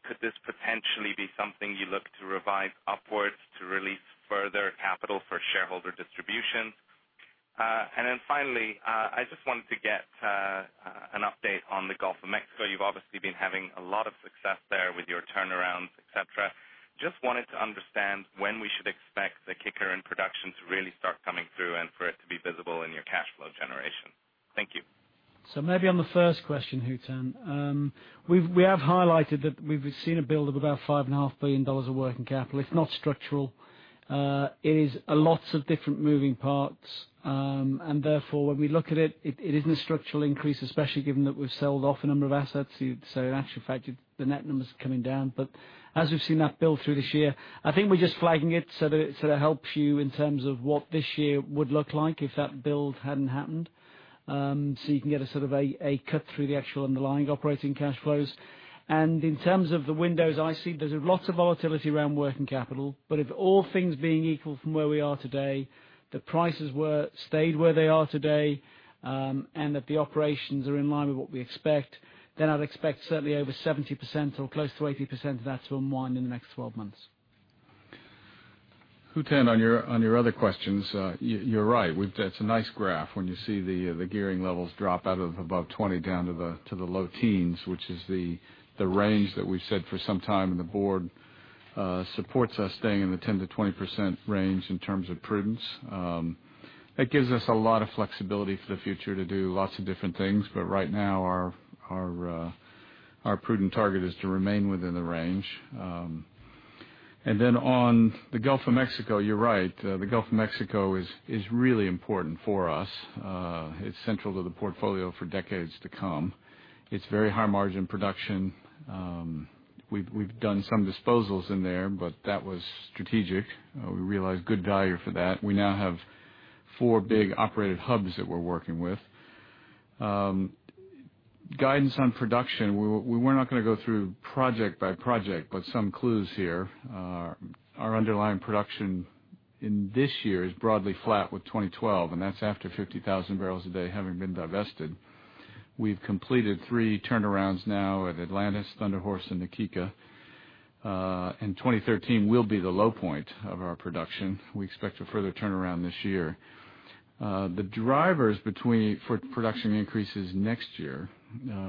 Could this potentially be something you look to revise upwards to release further capital for shareholder distribution? Finally, I just wanted to get an update on the Gulf of Mexico. You've obviously been having a lot of success there with your turnarounds, et cetera. Just wanted to understand when we should expect the kicker in production to really start coming through and for it to be visible in your cash flow generation. Thank you. Maybe on the first question, Hootan. We have highlighted that we've seen a build of about $5.5 billion of working capital. It's not structural. It is a lot of different moving parts. Therefore, when we look at it isn't a structural increase, especially given that we've sold off a number of assets. In actual fact, the net number's coming down. As we've seen that build through this year, I think we're just flagging it so that it sort of helps you in terms of what this year would look like if that build hadn't happened. You can get a sort of a cut through the actual underlying operating cash flows. In terms of the unwinds, I see there's a lot of volatility around working capital. If all things being equal from where we are today, the prices stayed where they are today, and that the operations are in line with what we expect, then I'd expect certainly over 70% or close to 80% of that to unwind in the next 12 months. Hootan, on your other questions, you're right. That's a nice graph when you see the gearing levels drop out of above 20 down to the low teens, which is the range that we've said for some time, and the board supports us staying in the 10%-20% range in terms of prudence. That gives us a lot of flexibility for the future to do lots of different things. Right now, our prudent target is to remain within the range. Then on the Gulf of Mexico, you're right. The Gulf of Mexico is really important for us. It's central to the portfolio for decades to come. It's very high margin production. We've done some disposals in there, but that was strategic. We realized good value for that. We now have four big operated hubs that we're working with. Guidance on production, we're not going to go through project by project, some clues here are our underlying production in this year is broadly flat with 2012, and that's after 50,000 barrels a day having been divested. We've completed three turnarounds now at Atlantis, Thunder Horse, and Na Kika. 2013 will be the low point of our production. We expect a further turnaround this year. The drivers for production increases next year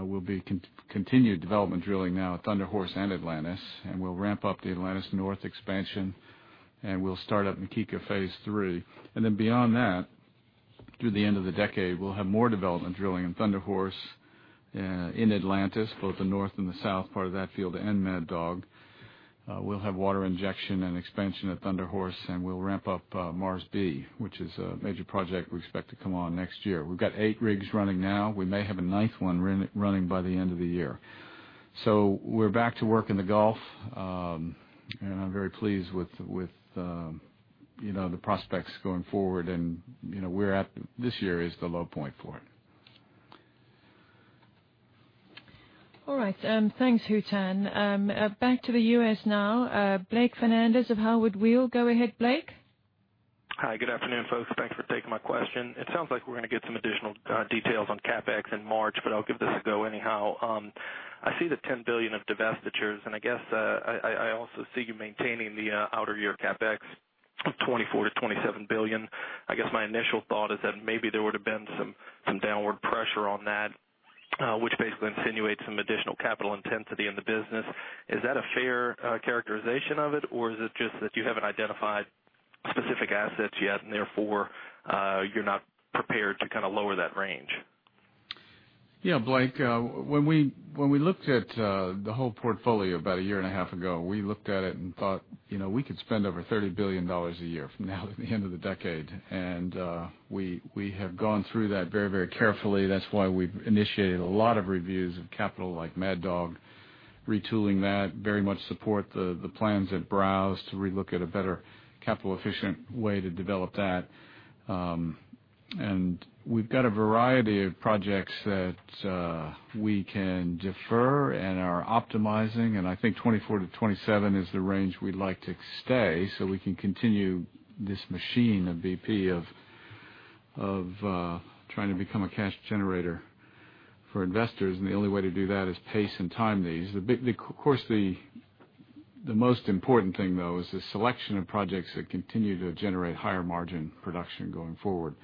will be continued development drilling now at Thunder Horse and Atlantis, and we'll ramp up the Atlantis North expansion, and we'll start up Na Kika phase III. Then beyond that, through the end of the decade, we'll have more development drilling in Thunder Horse, in Atlantis, both the north and the south part of that field, and Mad Dog. We'll have water injection and expansion at Thunder Horse, and we'll ramp up Mars B, which is a major project we expect to come on next year. We've got eight rigs running now. We may have a ninth one running by the end of the year. We're back to work in the Gulf, and I'm very pleased with the prospects going forward, and this year is the low point for it. All right. Thanks, Hootan. Back to the U.S. now. Blake Fernandez of Howard Weil. Go ahead, Blake. Hi. Good afternoon, folks. Thanks for taking my question. It sounds like we're going to get some additional details on CapEx in March. I'll give this a go anyhow. I see the $10 billion of divestitures, and I guess I also see you maintaining the outer year CapEx of $24 billion-$27 billion. I guess my initial thought is that maybe there would have been some downward pressure on that. Which basically insinuates some additional capital intensity in the business. Is that a fair characterization of it, or is it just that you haven't identified specific assets yet, and therefore, you're not prepared to lower that range? Yeah, Blake, when we looked at the whole portfolio about a year and a half ago, we looked at it and thought, we could spend over $30 billion a year from now to the end of the decade. We have gone through that very carefully. That's why we've initiated a lot of reviews of capital like Mad Dog, retooling that. Very much support the plans at Browse to relook at a better capital efficient way to develop that. We've got a variety of projects that we can defer and are optimizing, and I think $24 billion-$27 billion is the range we'd like to stay so we can continue this machine of BP of trying to become a cash generator for investors, and the only way to do that is pace and time these. Of course, the most important thing, though, is the selection of projects that continue to generate higher margin production going forward.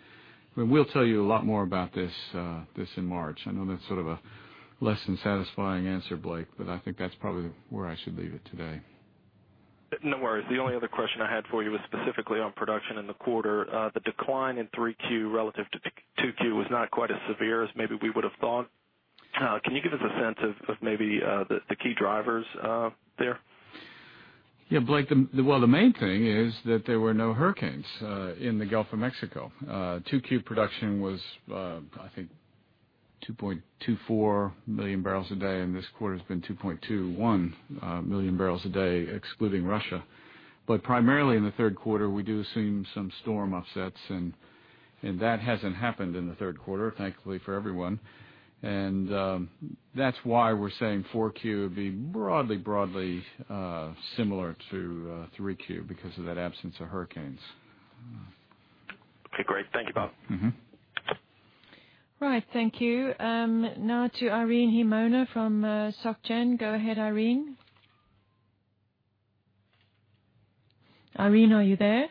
We'll tell you a lot more about this in March. I know that's sort of a less than satisfying answer, Blake, I think that's probably where I should leave it today. No worries. The only other question I had for you was specifically on production in the quarter. The decline in Q3 relative to Q2 was not quite as severe as maybe we would've thought. Can you give us a sense of maybe the key drivers there? Blake, well, the main thing is that there were no hurricanes in the Gulf of Mexico. Q2 production was, I think, 2.24 million barrels a day, this quarter's been 2.21 million barrels a day, excluding Russia. Primarily in the third quarter, we do assume some storm offsets, that hasn't happened in the third quarter, thankfully for everyone. That's why we're saying Q4 would be broadly similar to Q3 because of that absence of hurricanes. Okay, great. Thank you, Bob. Right. Thank you. Now to Irene Himona from Societe Generale. Go ahead, Irene. Irene, are you there?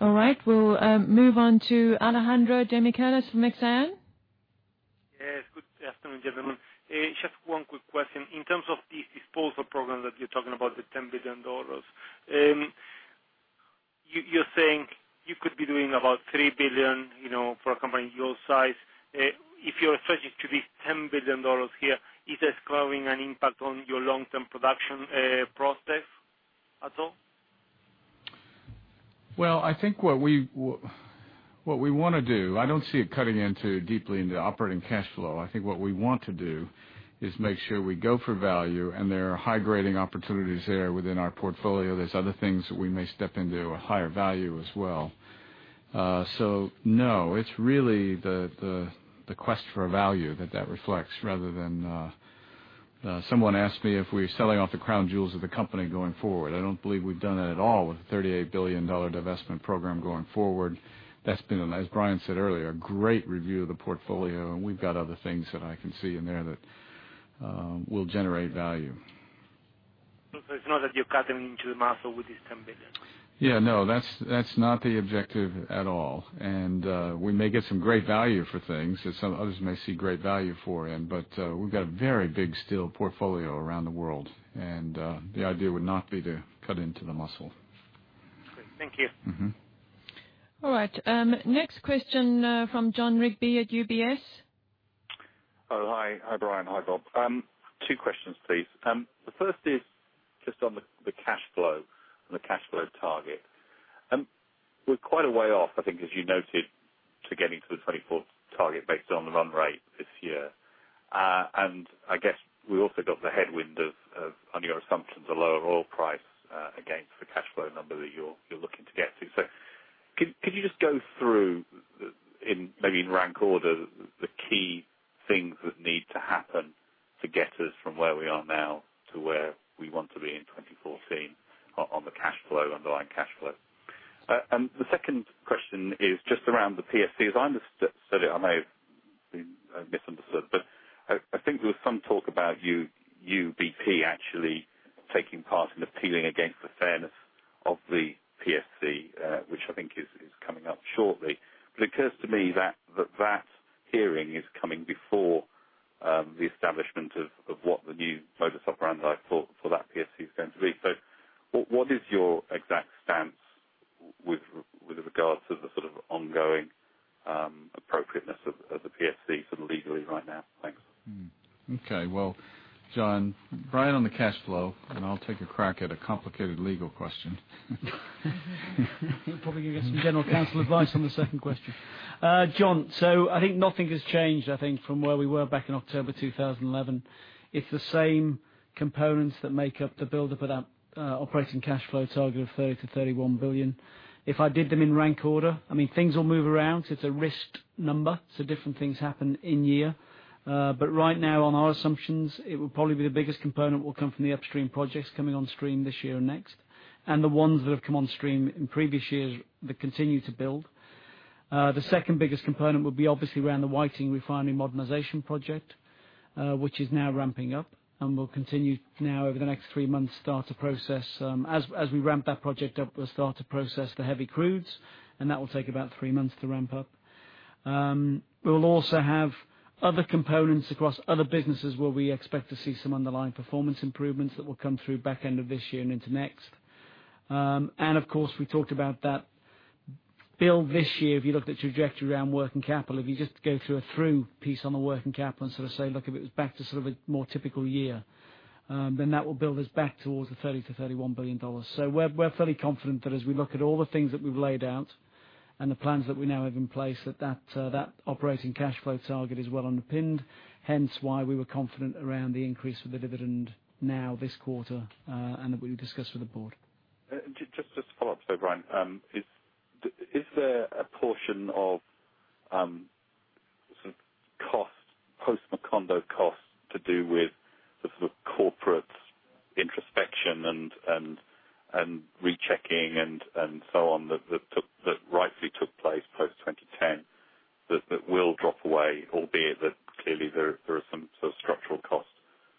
All right, we'll move on to Alejandro De Michelis from Exane. Yes. Good afternoon, gentlemen. Just one quick question. In terms of this disposal program that you're talking about, the $10 billion. You're saying you could be doing about $3 billion for a company your size. If you're expecting to be $10 billion here, is this causing an impact on your long-term production process at all? Well, I think what we want to do, I don't see it cutting into deeply into operating cash flow. I think what we want to do is make sure we go for value, and there are high-grading opportunities there within our portfolio. There's other things that we may step into at higher value as well. No, it's really the quest for value that reflects rather than Someone asked me if we're selling off the crown jewels of the company going forward. I don't believe we've done that at all with a $38 billion divestment program going forward. That's been, as Brian said earlier, a great review of the portfolio, and we've got other things that I can see in there that will generate value. It's not that you're cutting into the muscle with this $10 billion? Yeah, no, that's not the objective at all. We may get some great value for things that some others may see great value for, we've got a very big still portfolio around the world, the idea would not be to cut into the muscle. Great. Thank you. All right. Next question from Jon Rigby at UBS. Oh, hi. Hi, Brian. Hi, Bob. Two questions, please. The first is just on the cash flow and the cash flow target. We're quite a way off, I think, as you noted, to getting to the 2014 target based on the run rate this year. I guess we also got the headwind of, under your assumptions, a lower oil price against the cash flow number that you're looking to get to. Could you just go through, maybe in rank order, the key things that need to happen to get us from where we are now to where we want to be in 2014 on the underlying cash flow? The second question is just around the PSC. As I understood it, I may have misunderstood, but I think there was some talk about you, BP, actually taking part in appealing against the fairness of the PSC, which I think is coming up shortly. It occurs to me that hearing is coming before the establishment of what the new modus operandi, I thought, for that PSC is going to be. What is your exact stance with regards to the sort of ongoing appropriateness of the PSC sort of legally right now? Thanks. Okay. Well, Jon, Brian on the cash flow, and I'll take a crack at a complicated legal question. Probably going to get some general counsel advice on the second question. Jon, I think nothing has changed, I think, from where we were back in October 2011. It's the same components that make up the build-up of that operating cash flow target of $30 billion-$31 billion. If I did them in rank order, I mean, things will move around. It's a risked number, different things happen in year. Right now on our assumptions, it will probably be the biggest component will come from the upstream projects coming on stream this year and next, and the ones that have come on stream in previous years that continue to build. The second biggest component would be obviously around the Whiting Refinery Modernization Project. Which is now ramping up, and we'll continue now over the next three months, as we ramp that project up, we'll start to process the heavy crudes, and that will take about three months to ramp up. We will also have other components across other businesses where we expect to see some underlying performance improvements that will come through back end of this year and into next. Of course, we talked about that build this year. If you looked at trajectory around working capital, if you just go through a through piece on the working capital and sort of say, look, if it was back to sort of a more typical year, then that will build us back towards the $30 billion-$31 billion. We're fairly confident that as we look at all the things that we've laid out and the plans that we now have in place, that operating cash flow target is well underpinned. Hence, why we were confident around the increase of the dividend now this quarter, and that we discussed with the board. Just to follow up though, Brian, is there a portion of some post-Macondo costs to do with the sort of corporate introspection and rechecking and so on that rightly took place post-2010 that will drop away, albeit that clearly there are some sort of structural costs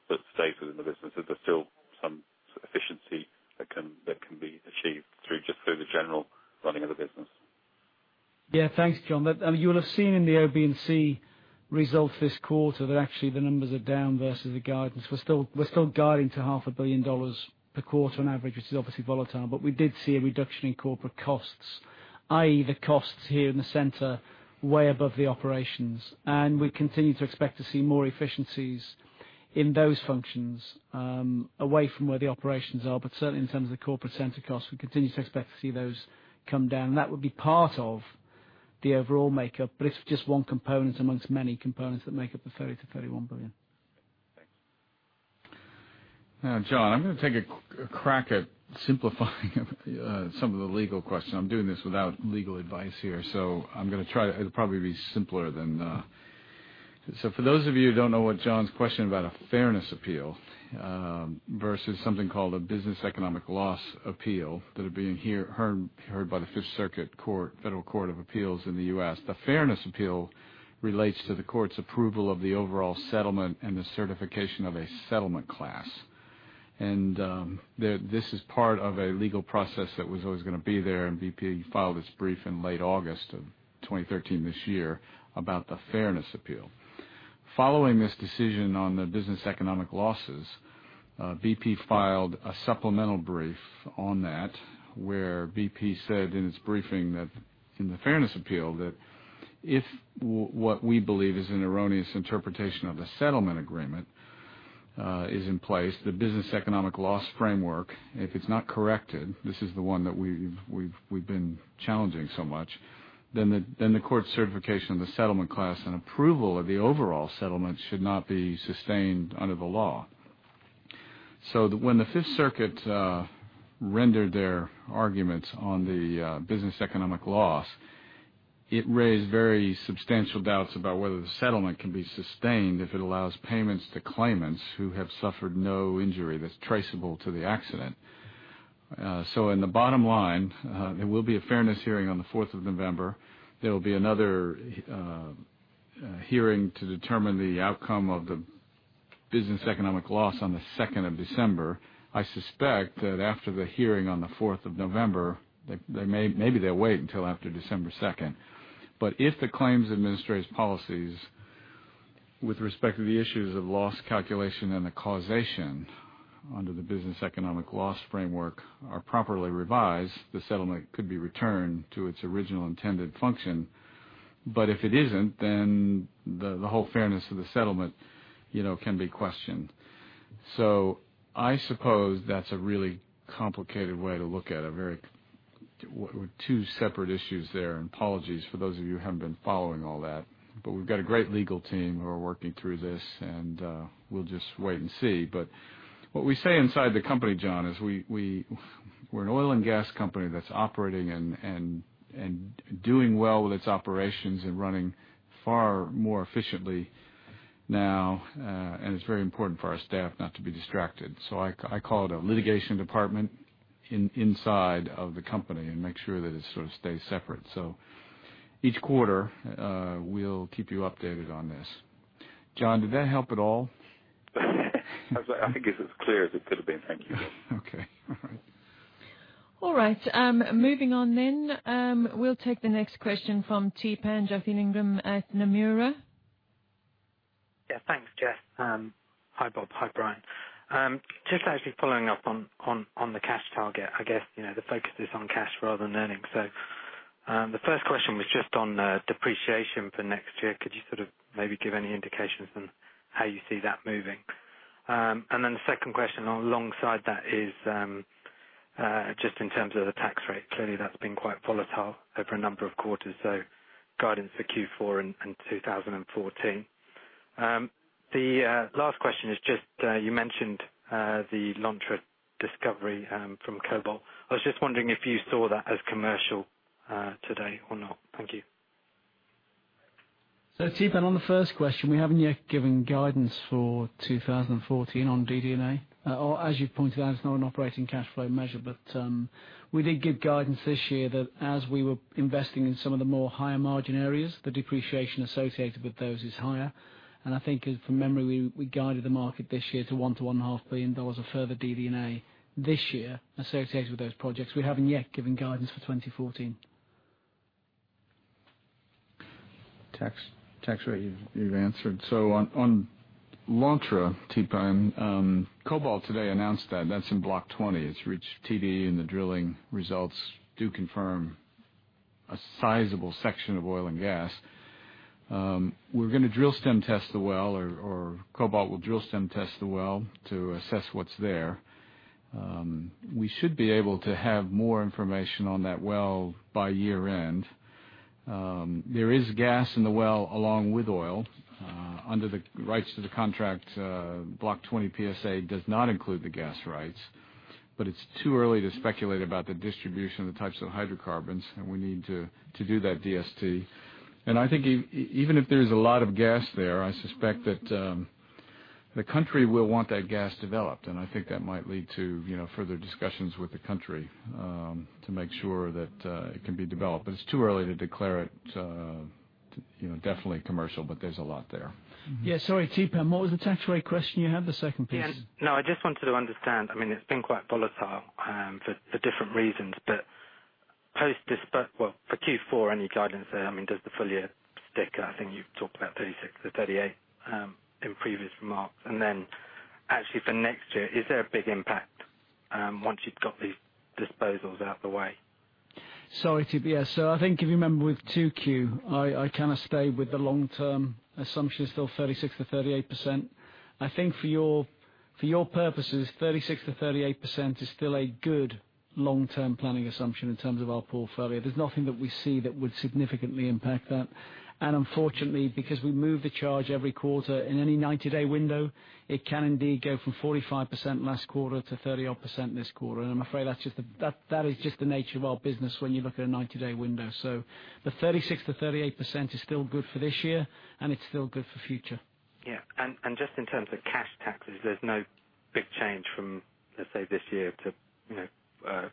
that stay within the business? Is there still some efficiency that can be achieved just through the general running of the business? Thanks, Jon. You will have seen in the OBNC results this quarter that actually the numbers are down versus the guidance. We're still guiding to half a billion dollars per quarter on average, which is obviously volatile. We did see a reduction in corporate costs, i.e., the costs here in the center, way above the operations. We continue to expect to see more efficiencies in those functions away from where the operations are. Certainly, in terms of the corporate center costs, we continue to expect to see those come down. That would be part of the overall makeup, but it's just one component amongst many components that make up the $30 billion-$31 billion. Thanks. Now, Jon, I'm going to take a crack at simplifying some of the legal questions. I'm doing this without legal advice here, it'll probably be simpler. For those of you who don't know what Jon's questioning about a fairness appeal versus something called a business economic loss appeal that are being heard by the Fifth Circuit Federal Court of Appeals in the U.S. The fairness appeal relates to the court's approval of the overall settlement and the certification of a settlement class. This is part of a legal process that was always going to be there, and BP filed its brief in late August of 2013 this year about the fairness appeal. Following this decision on the business economic losses, BP filed a supplemental brief on that, where BP said in its briefing that in the fairness appeal, that if what we believe is an erroneous interpretation of the settlement agreement is in place, the business economic loss framework, if it's not corrected, this is the one that we've been challenging so much, then the court certification of the settlement class and approval of the overall settlement should not be sustained under the law. When the Fifth Circuit rendered their arguments on the business economic loss, it raised very substantial doubts about whether the settlement can be sustained if it allows payments to claimants who have suffered no injury that's traceable to the accident. In the bottom line, there will be a fairness hearing on the 4th of November. There will be another hearing to determine the outcome of the business economic loss on the 2nd of December. I suspect that after the hearing on the 4th of November, maybe they'll wait until after December 2nd. If the claims administrator's policies with respect to the issues of loss calculation and the causation under the business economic loss framework are properly revised, the settlement could be returned to its original intended function. If it isn't, then the whole fairness of the settlement can be questioned. I suppose that's a really complicated way to look at two separate issues there, and apologies for those of you who haven't been following all that. We've got a great legal team who are working through this, and we'll just wait and see. What we say inside the company, Jon, is we're an oil and gas company that's operating and doing well with its operations and running far more efficiently now. It's very important for our staff not to be distracted. I call it a litigation department inside of the company and make sure that it sort of stays separate. Each quarter, we'll keep you updated on this. Jon, did that help at all? I think it's as clear as it could have been. Thank you. Okay. All right. Moving on. We'll take the next question from Theepan Jothilingam at Nomura. Yeah, thanks, Jess. Hi, Bob. Hi, Brian. Just actually following up on the cash target. I guess the focus is on cash rather than earnings. The first question was just on depreciation for next year. Could you sort of maybe give any indications on how you see that moving? The second question alongside that is just in terms of the tax rate. Clearly, that's been quite volatile over a number of quarters, guidance for Q4 and 2014. The last question is just, you mentioned the Lontra discovery from Cobalt. I was just wondering if you saw that as commercial today or not. Thank you. Theepan, on the first question, we haven't yet given guidance for 2014 on DD&A. As you've pointed out, it's not an operating cash flow measure. We did give guidance this year that as we were investing in some of the more higher margin areas, the depreciation associated with those is higher. I think from memory, we guided the market this year to $1 billion-$1.5 billion of further DD&A this year associated with those projects. We haven't yet given guidance for 2014. Tax rate you've answered. On Lontra, Theepan, Cobalt today announced that that's in Block 20. It's reached TD and the drilling results do confirm a sizable section of oil and gas. We're going to drill stem test the well or Cobalt will drill stem test the well to assess what's there. We should be able to have more information on that well by year-end. There is gas in the well along with oil. Under the rights to the contract, Block 20 PSA does not include the gas rights, it's too early to speculate about the distribution of the types of hydrocarbons, we need to do that DST. I think even if there's a lot of gas there, I suspect that the country will want that gas developed, and I think that might lead to further discussions with the country to make sure that it can be developed. It's too early to declare it definitely commercial, but there's a lot there. Sorry, Theepan, what was the tax rate question you had, the second piece? I just wanted to understand. It's been quite volatile for different reasons. For Q4, any guidance there? Does the full year stick? I think you talked about 36%-38% in previous remarks. For next year, is there a big impact once you've got these disposals out the way? Sorry, Theepan. I think if you remember with 2Q, I stay with the long-term assumption is still 36%-38%. I think for your purposes, 36%-38% is still a good long-term planning assumption in terms of our portfolio. There's nothing that we see that would significantly impact that. Unfortunately, because we move the charge every quarter in any 90-day window, it can indeed go from 45% last quarter to 30-odd percent this quarter. I'm afraid that is just the nature of our business when you look at a 90-day window. The 36%-38% is still good for this year, and it's still good for future. Yeah. Just in terms of cash taxes, there's no big change from, let's say, this year to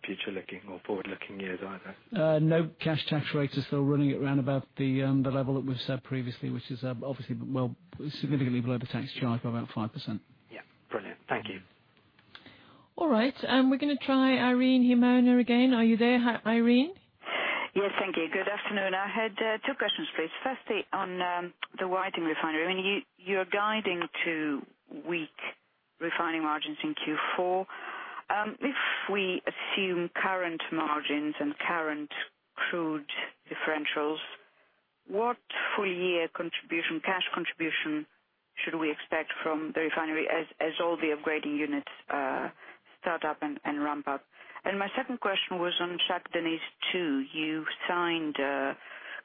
future looking or forward-looking years either? No. Cash tax rate is still running at around about the level that we've said previously, which is obviously, well, significantly below the tax charge of about 5%. Yeah. Brilliant. Thank you. All right. We're going to try Irene Himona again. Are you there, Irene? Yes. Thank you. Good afternoon. I had two questions, please. Firstly, on the Whiting Refinery. You're guiding to weak refining margins in Q4. If we assume current margins and current crude differentials, what full year cash contribution should we expect from the refinery as all the upgrading units start up and ramp up? My second question was on Shah Deniz 2. You signed a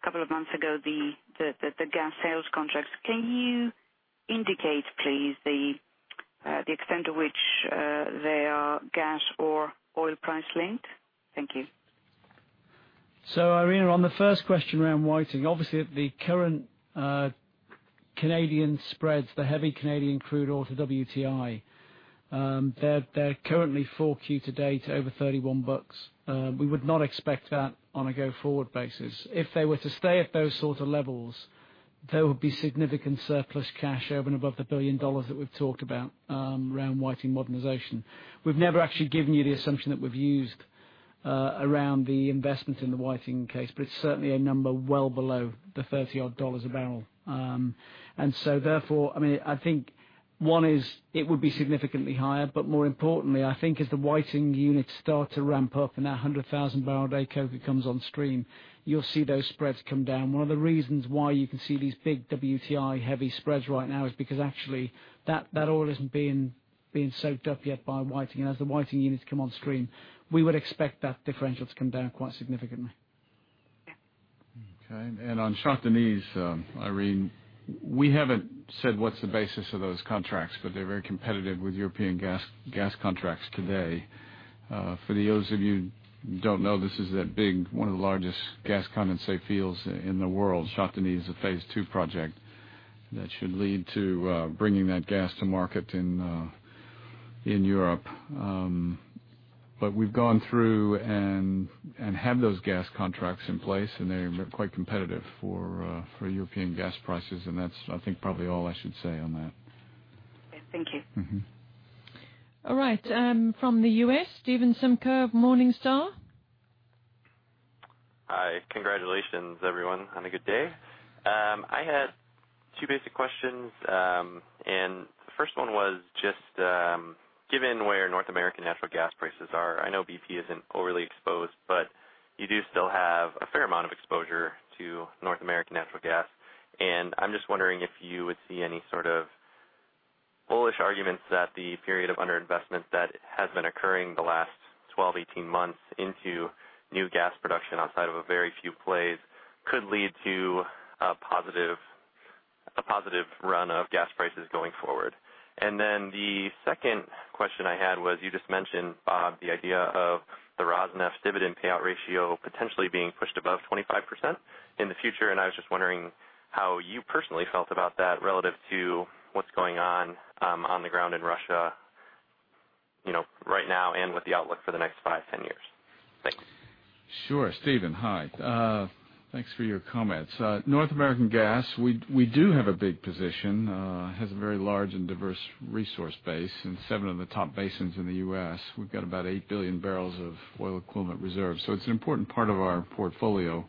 couple of months ago the gas sales contracts. Can you indicate, please, the extent to which they are gas or oil price linked? Thank you. Irene, on the first question around Whiting, obviously the current Canadian spreads, the heavy Canadian crude oil to WTI, they're currently 4Q to date over $31. We would not expect that on a go-forward basis. If they were to stay at those sort of levels, there would be significant surplus cash over and above the $1 billion that we've talked about around Whiting modernization. We've never actually given you the assumption that we've used around the investment in the Whiting case, but it's certainly a number well below the $30-odd a barrel. Therefore, I think one is it would be significantly higher. More importantly, I think as the Whiting units start to ramp up and that 100,000-barrel-a-day coker comes on stream, you'll see those spreads come down. One of the reasons why you can see these big WTI heavy spreads right now is because actually that oil isn't being soaked up yet by Whiting. As the Whiting units come on stream, we would expect that differential to come down quite significantly. Yeah. Okay. On Shah Deniz, Irene, we haven't said what's the basis of those contracts, but they're very competitive with European gas contracts today. For those of you who don't know, this is one of the largest gas condensate fields in the world. Shah Deniz is a phase 2 project that should lead to bringing that gas to market in Europe. We've gone through and have those gas contracts in place, and they're quite competitive for European gas prices, and that's, I think, probably all I should say on that. Thank you. All right. From the U.S., Steven Simcoe of Morningstar. Hi. Congratulations, everyone, on a good day. I had two basic questions. The first one was just given where North American natural gas prices are, I know BP isn't overly exposed, but you do still have a fair amount of exposure to North American natural gas. I'm just wondering if you would see any sort of bullish arguments that the period of under-investment that has been occurring the last 12, 18 months into new gas production outside of a very few plays could lead to a positive run of gas prices going forward. The second question I had was, you just mentioned, Bob, the idea of the Rosneft's dividend payout ratio potentially being pushed above 25% in the future. I was just wondering how you personally felt about that relative to what's going on the ground in Russia right now and with the outlook for the next five, 10 years. Thanks. Sure, Steven. Hi. Thanks for your comments. North American Gas, we do have a big position, has a very large and diverse resource base in seven of the top basins in the U.S. We've got about 8 billion barrels of oil equivalent reserves, so it's an important part of our portfolio.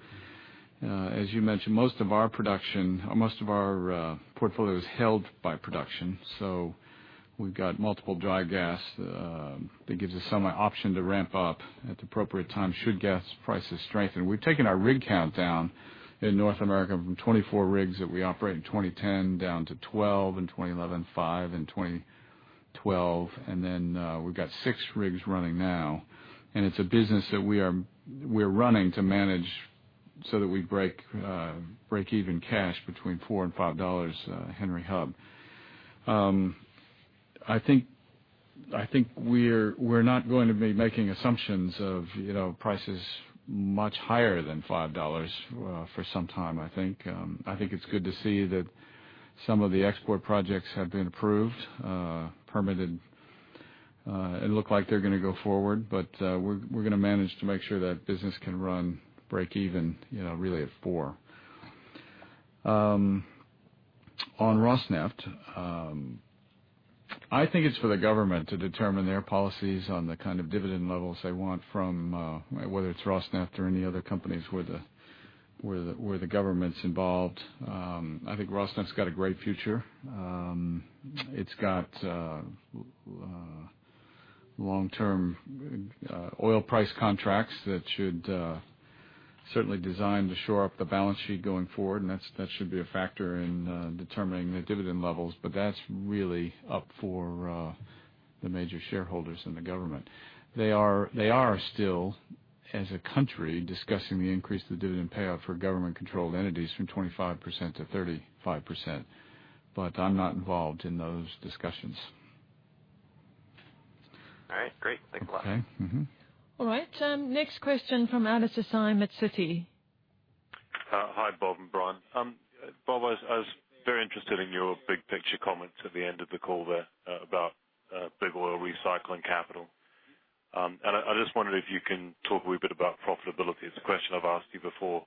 As you mentioned, most of our production or most of our portfolio is held by production, so we've got multiple dry gas that gives us some option to ramp up at the appropriate time, should gas prices strengthen. We've taken our rig count down in North America from 24 rigs that we operate in 2010 down to 12 in 2011, five in 2012, then we've got six rigs running now. It's a business that we're running to manage so that we break even cash between $4 and $5 Henry Hub. I think we're not going to be making assumptions of prices much higher than $5 for some time, I think. I think it's good to see that some of the export projects have been approved, permitted, and look like they're going to go forward. We're going to manage to make sure that business can run break even, really at $4. On Rosneft, I think it's for the government to determine their policies on the kind of dividend levels they want from, whether it's Rosneft or any other companies where the government's involved. I think Rosneft's got a great future. It's got long-term oil price contracts that should certainly design to shore up the balance sheet going forward, and that should be a factor in determining the dividend levels. That's really up for the major shareholders in the government. They are still, as a country, discussing the increase of the dividend payout for government-controlled entities from 25% to 35%, I'm not involved in those discussions. All right. Great. Thanks a lot. Okay. Mm-hmm. All right. Next question from Alastair Syme at Citi. Hi, Bob and Brian. Bob, I was very interested in your big-picture comments at the end of the call there about big oil recycling capital. I just wondered if you can talk a wee bit about profitability. It's a question I've asked you before.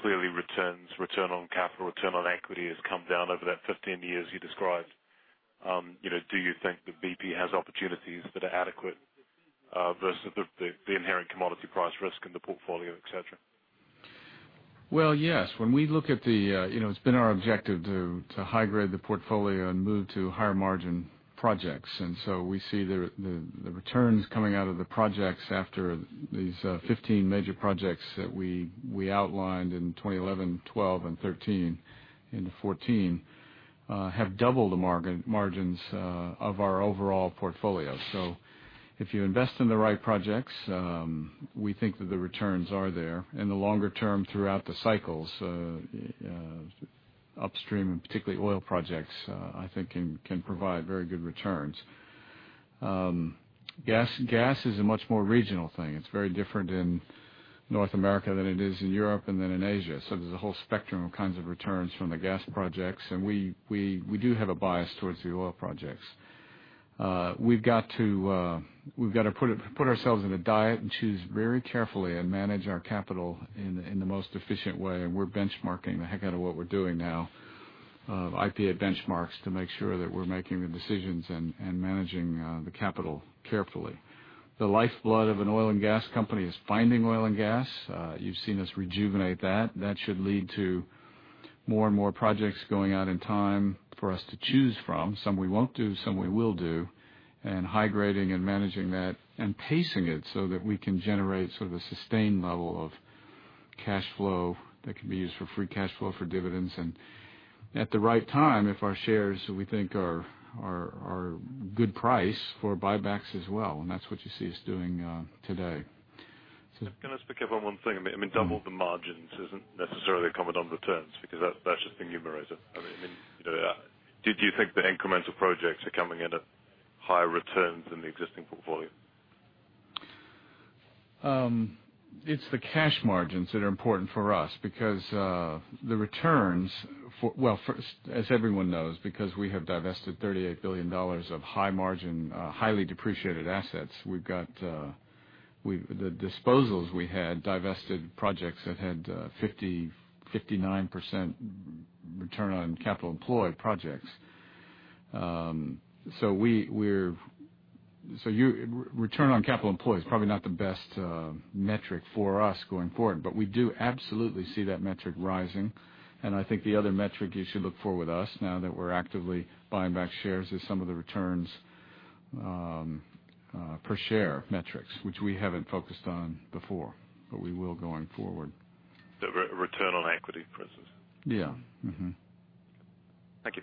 Clearly returns, return on capital, return on equity has come down over that 15 years you described. Do you think that BP has opportunities that are adequate, versus the inherent commodity price risk in the portfolio, et cetera? Well, yes. It's been our objective to high-grade the portfolio and move to higher-margin projects. We see the returns coming out of the projects after these 15 major projects that we outlined in 2011, 2012, and 2013 into 2014, have doubled the margins of our overall portfolio. If you invest in the right projects, we think that the returns are there. In the longer term throughout the cycles, upstream and particularly oil projects, I think can provide very good returns. Gas is a much more regional thing. It's very different in North America than it is in Europe and than in Asia. There's a whole spectrum of kinds of returns from the gas projects, and we do have a bias towards the oil projects. We've got to put ourselves in a diet and choose very carefully and manage our capital in the most efficient way. We're benchmarking the heck out of what we're doing now of IPA benchmarks to make sure that we're making the decisions and managing the capital carefully. The lifeblood of an oil and gas company is finding oil and gas. You've seen us rejuvenate that. That should lead to more and more projects going out in time for us to choose from. Some we won't do, some we will do, and high-grading and managing that and pacing it so that we can generate sort of a sustained level of cash flow that can be used for free cash flow for dividends. At the right time, if our shares, we think are good price for buybacks as well, that's what you see us doing today. Can I just pick up on one thing? I mean, double the margins isn't necessarily a comment on returns, because that's just the numerator. Do you think the incremental projects are coming in at higher returns than the existing portfolio? It's the cash margins that are important for us because, well, first, as everyone knows, because we have divested $38 billion of high margin, highly depreciated assets. The disposals we had divested projects that had 59% return on capital employed projects. Return on capital employed is probably not the best metric for us going forward, but we do absolutely see that metric rising. I think the other metric you should look for with us now that we're actively buying back shares is some of the returns per share metrics, which we haven't focused on before, but we will going forward. The return on equity, for instance. Yeah. Mm-hmm. Thank you.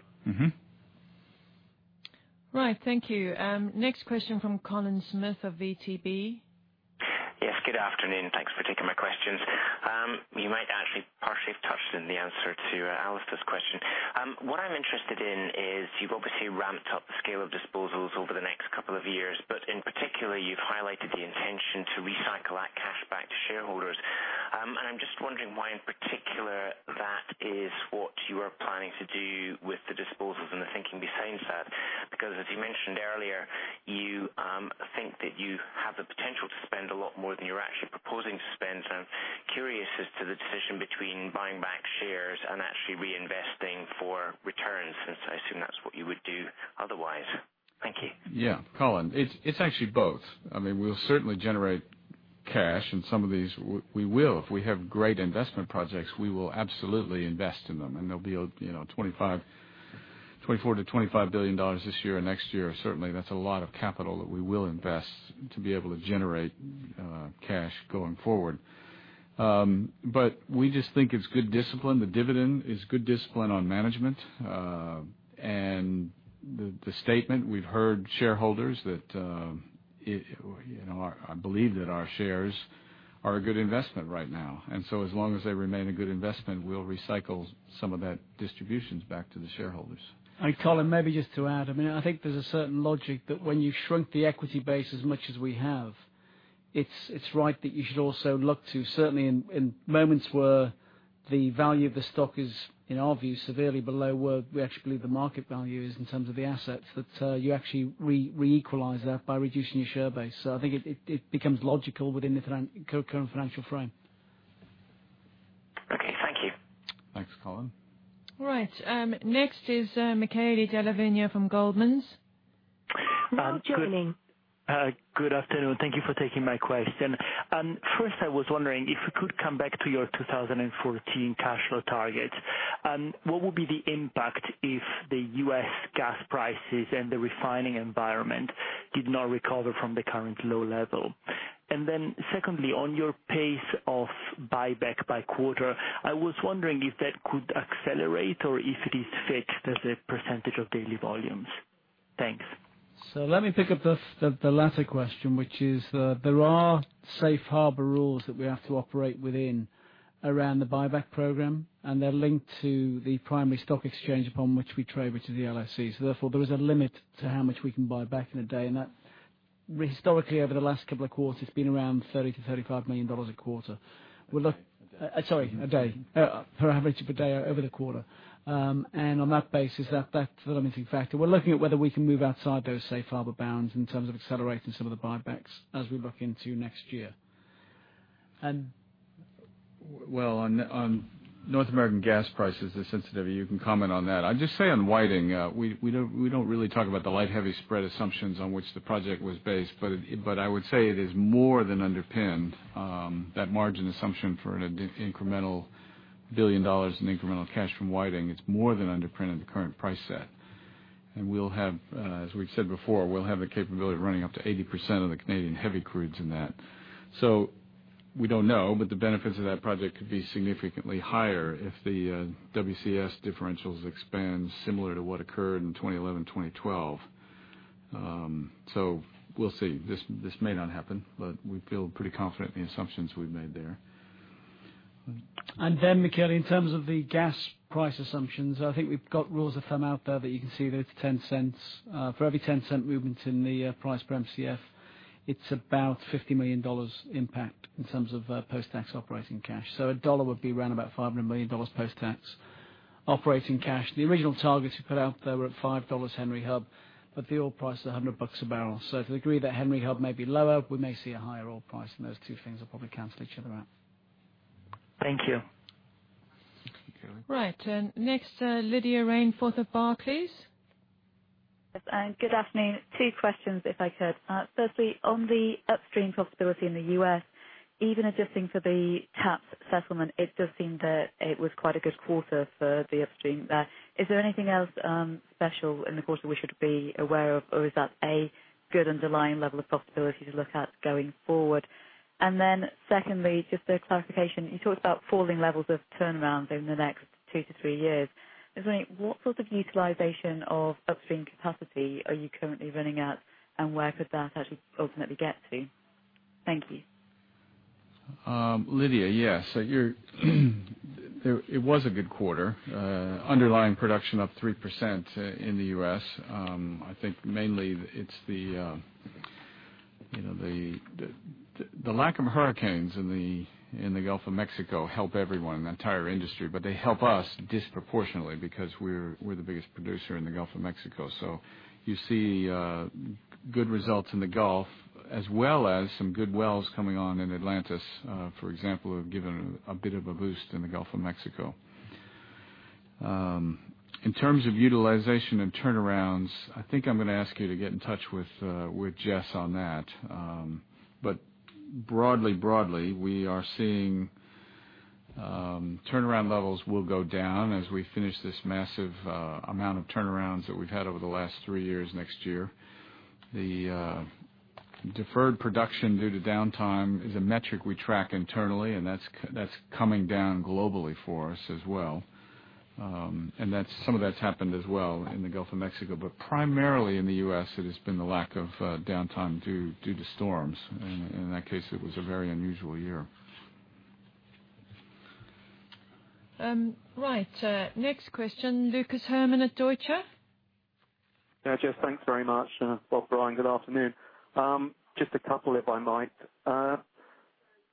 Right. Thank you. Next question from Colin Smith of VTB. Yes, good afternoon. Thanks for taking my questions. You might actually partially have touched on the answer to Alastair's question. I'm interested in is, you've obviously ramped up the scale of disposals over the next couple of years, but in particular, you've highlighted the intention to recycle that cash back to shareholders. I'm just wondering why in particular that is what you are planning to do with the disposals and the thinking behind that. As you mentioned earlier, you think that you have the potential to spend a lot more than you're actually proposing to spend. I'm curious as to the decision between buying back shares and actually reinvesting for returns, since I assume that's what you would do otherwise. Thank you. Yeah. Colin, it's actually both. We'll certainly generate cash in some of these. We will. If we have great investment projects, we will absolutely invest in them, and there'll be $24 billion-$25 billion this year and next year. Certainly, that's a lot of capital that we will invest to be able to generate cash going forward. We just think it's good discipline. The dividend is good discipline on management. The statement, we've heard shareholders that believe that our shares are a good investment right now. As long as they remain a good investment, we'll recycle some of that distributions back to the shareholders. Colin, maybe just to add. I think there's a certain logic that when you shrink the equity base as much as we have, it's right that you should also look to, certainly in moments where the value of the stock is, in our view, severely below where we actually believe the market value is in terms of the assets, that you actually re-equalize that by reducing your share base. I think it becomes logical within the current financial frame. Okay. Thank you. Thanks, Colin. Right. Next is Michele Della Vigna from Goldman Sachs. Now joining. Good afternoon. Thank you for taking my question. First, I was wondering if we could come back to your 2014 cash flow target. What would be the impact if the U.S. gas prices and the refining environment did not recover from the current low level? Secondly, on your pace of buyback by quarter, I was wondering if that could accelerate or if it is fixed as a percentage of daily volumes. Thanks. Let me pick up the latter question, which is, there are safe harbor rules that we have to operate within, around the buyback program, and they're linked to the primary stock exchange upon which we trade, which is the LSE. Therefore, there is a limit to how much we can buy back in a day. That historically over the last couple of quarters has been around $30 million-$35 million a quarter. Sorry, a day. Per average of a day over the quarter. On that basis, that's the limiting factor. We're looking at whether we can move outside those safe harbor bounds in terms of accelerating some of the buybacks as we look into next year. Well, on North American gas prices, they're sensitive. You can comment on that. I'll just say on Whiting, we don't really talk about the light heavy spread assumptions on which the project was based, but I would say it is more than underpinned, that margin assumption for an incremental $1 billion in incremental cash from Whiting. It's more than underpinned at the current price set. As we've said before, we'll have the capability of running up to 80% of the Canadian heavy crudes in that. We don't know, but the benefits of that project could be significantly higher if the WCS differentials expand similar to what occurred in 2011, 2012. We'll see. This may not happen, but we feel pretty confident in the assumptions we've made there. Michele, in terms of the gas price assumptions, I think we've got rules of thumb out there that you can see. For every $0.10 movement in the price per Mcf, it's about $50 million impact in terms of post-tax operating cash. A $1 would be around about $500 million post-tax operating cash. The original targets we put out there were at $5 Henry Hub, but the oil price is $100 a barrel. To the degree that Henry Hub may be lower, we may see a higher oil price, and those two things will probably cancel each other out. Thank you. Michele. Next, Lydia Rainforth of Barclays. Good afternoon. Two questions if I could. Firstly, on the upstream profitability in the U.S., even adjusting for the TAPS settlement, it does seem that it was quite a good quarter for the upstream there. Is there anything else special in the quarter we should be aware of, or is that a good underlying level of profitability to look at going forward? Then secondly, just a clarification. You talked about falling levels of turnarounds over the next 2-3 years. I was wondering, what sort of utilization of upstream capacity are you currently running at, and where could that actually ultimately get to? Thank you. Lydia. Yeah. It was a good quarter. Underlying production up 3% in the U.S. I think mainly it's the lack of hurricanes in the Gulf of Mexico help everyone, the entire industry. They help us disproportionately because we're the biggest producer in the Gulf of Mexico. You see good results in the Gulf as well as some good wells coming on in Atlantis for example, have given a bit of a boost in the Gulf of Mexico. In terms of utilization and turnarounds, I think I'm going to ask you to get in touch with Jess on that. Broadly, we are seeing turnaround levels will go down as we finish this massive amount of turnarounds that we've had over the last 3 years, next year. Deferred production due to downtime is a metric we track internally, that's coming down globally for us as well. Some of that's happened as well in the Gulf of Mexico, but primarily in the U.S., it has been the lack of downtime due to storms. In that case, it was a very unusual year. Right. Next question, Lucas Herrmann at Deutsche. Yeah, Jess, thanks very much. Bob, Brian, good afternoon. Just a couple, if I might.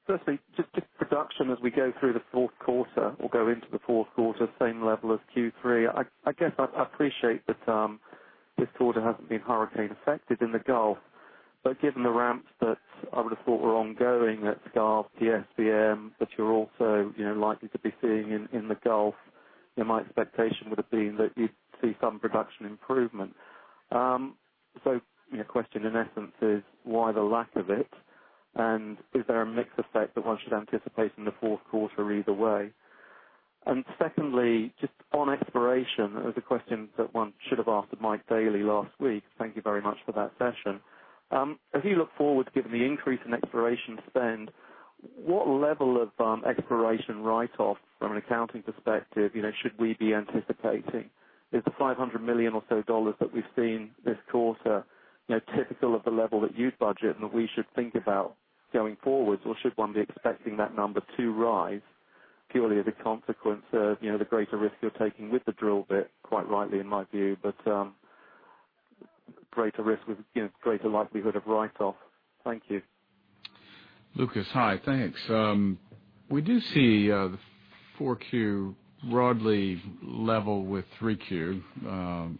Firstly, just production as we go through the fourth quarter or go into the fourth quarter, same level as Q3. I guess I appreciate that this quarter hasn't been hurricane affected in the Gulf, but given the ramps that I would have thought were ongoing at Skarv, PSVM, that you're also likely to be seeing in the Gulf, my expectation would have been that you'd see some production improvement. My question, in essence, is why the lack of it? Is there a mix effect that one should anticipate in the fourth quarter either way? Secondly, just on exploration, as a question that one should have asked Mike Daly last week, thank you very much for that session. As you look forward, given the increase in exploration spend, what level of exploration write-off from an accounting perspective should we be anticipating? Is the $500 million or so that we've seen this quarter typical of the level that you'd budget and that we should think about going forward? Should one be expecting that number to rise purely as a consequence of the greater risk you're taking with the drill bit, quite rightly in my view, but greater risk with greater likelihood of write-off? Thank you. Lucas, hi, thanks. We do see the 4Q broadly level with 3Q.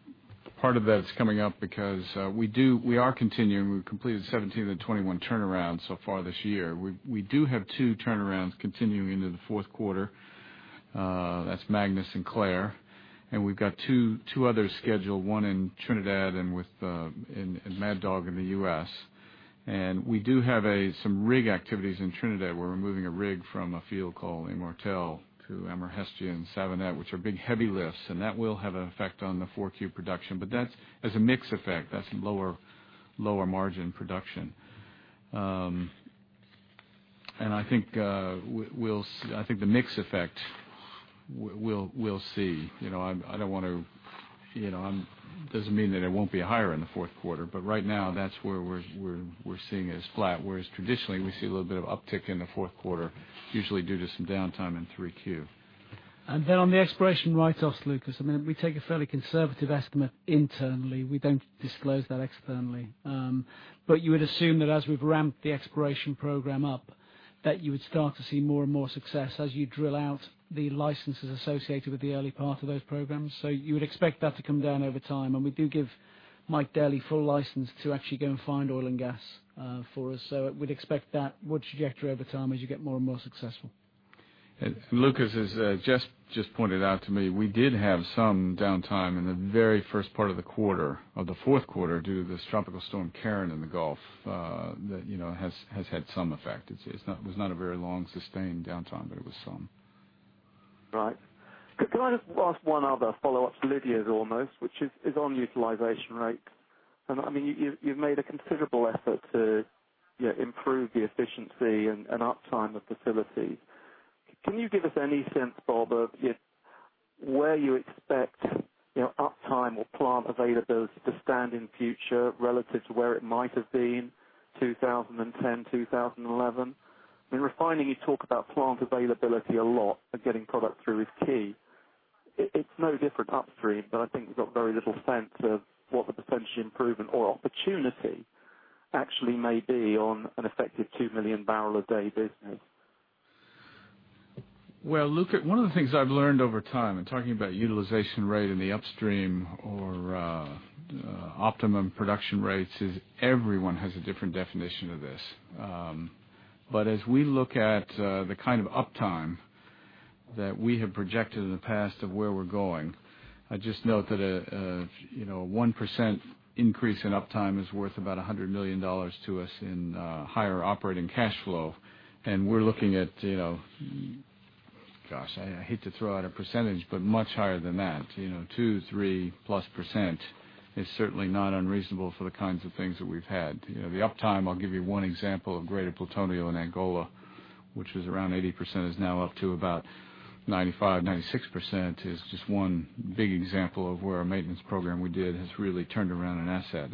Part of that's coming up because we are continuing. We've completed 17 of the 21 turnarounds so far this year. We do have two turnarounds continuing into the fourth quarter. That's Magnus and Clair. We've got two others scheduled, one in Trinidad and Mad Dog in the U.S. We do have some rig activities in Trinidad. We're moving a rig from a field called Immortelle to Amherstia and Savonette, which are big, heavy lifts, and that will have an effect on the 4Q production. That's as a mix effect. That's lower margin production. I think the mix effect we'll see. It doesn't mean that it won't be higher in the fourth quarter, but right now, that's where we're seeing it as flat, whereas traditionally, we see a little bit of uptick in the fourth quarter, usually due to some downtime in 3Q. On the exploration write-offs, Lucas, we take a fairly conservative estimate internally. We don't disclose that externally. You would assume that as we've ramped the exploration program up, that you would start to see more and more success as you drill out the licenses associated with the early part of those programs. You would expect that to come down over time, and we do give Mike Daly full license to actually go and find oil and gas for us. We'd expect that would trajectory over time as you get more and more successful. Lucas, as Jess just pointed out to me, we did have some downtime in the very first part of the quarter, of the fourth quarter, due to this tropical storm, Karen, in the Gulf, that has had some effect. It was not a very long sustained downtime, but it was some. Right. Could I just ask one other follow-up to Lydia's almost, which is on utilization rate? You've made a considerable effort to improve the efficiency and uptime of facilities. Can you give us any sense, Bob, of where you expect uptime or plant availability to stand in the future relative to where it might have been 2010, 2011? In refining, you talk about plant availability a lot and getting product through is key. It's no different upstream, but I think we've got very little sense of what the potential improvement or opportunity actually may be on an effective 2 million-barrel a day business. Well, Lucas, one of the things I've learned over time in talking about utilization rate in the upstream or optimum production rates is everyone has a different definition of this. As we look at the kind of uptime that we have projected in the past of where we're going, I just note that a 1% increase in uptime is worth about $100 million to us in higher operating cash flow. We're looking at, gosh, I hate to throw out a percentage, but much higher than that, 2%, 3% plus is certainly not unreasonable for the kinds of things that we've had. The uptime, I'll give you one example of Greater Plutonio in Angola, which was around 80%, is now up to about 95%, 96%, is just one big example of where our maintenance program we did has really turned around an asset.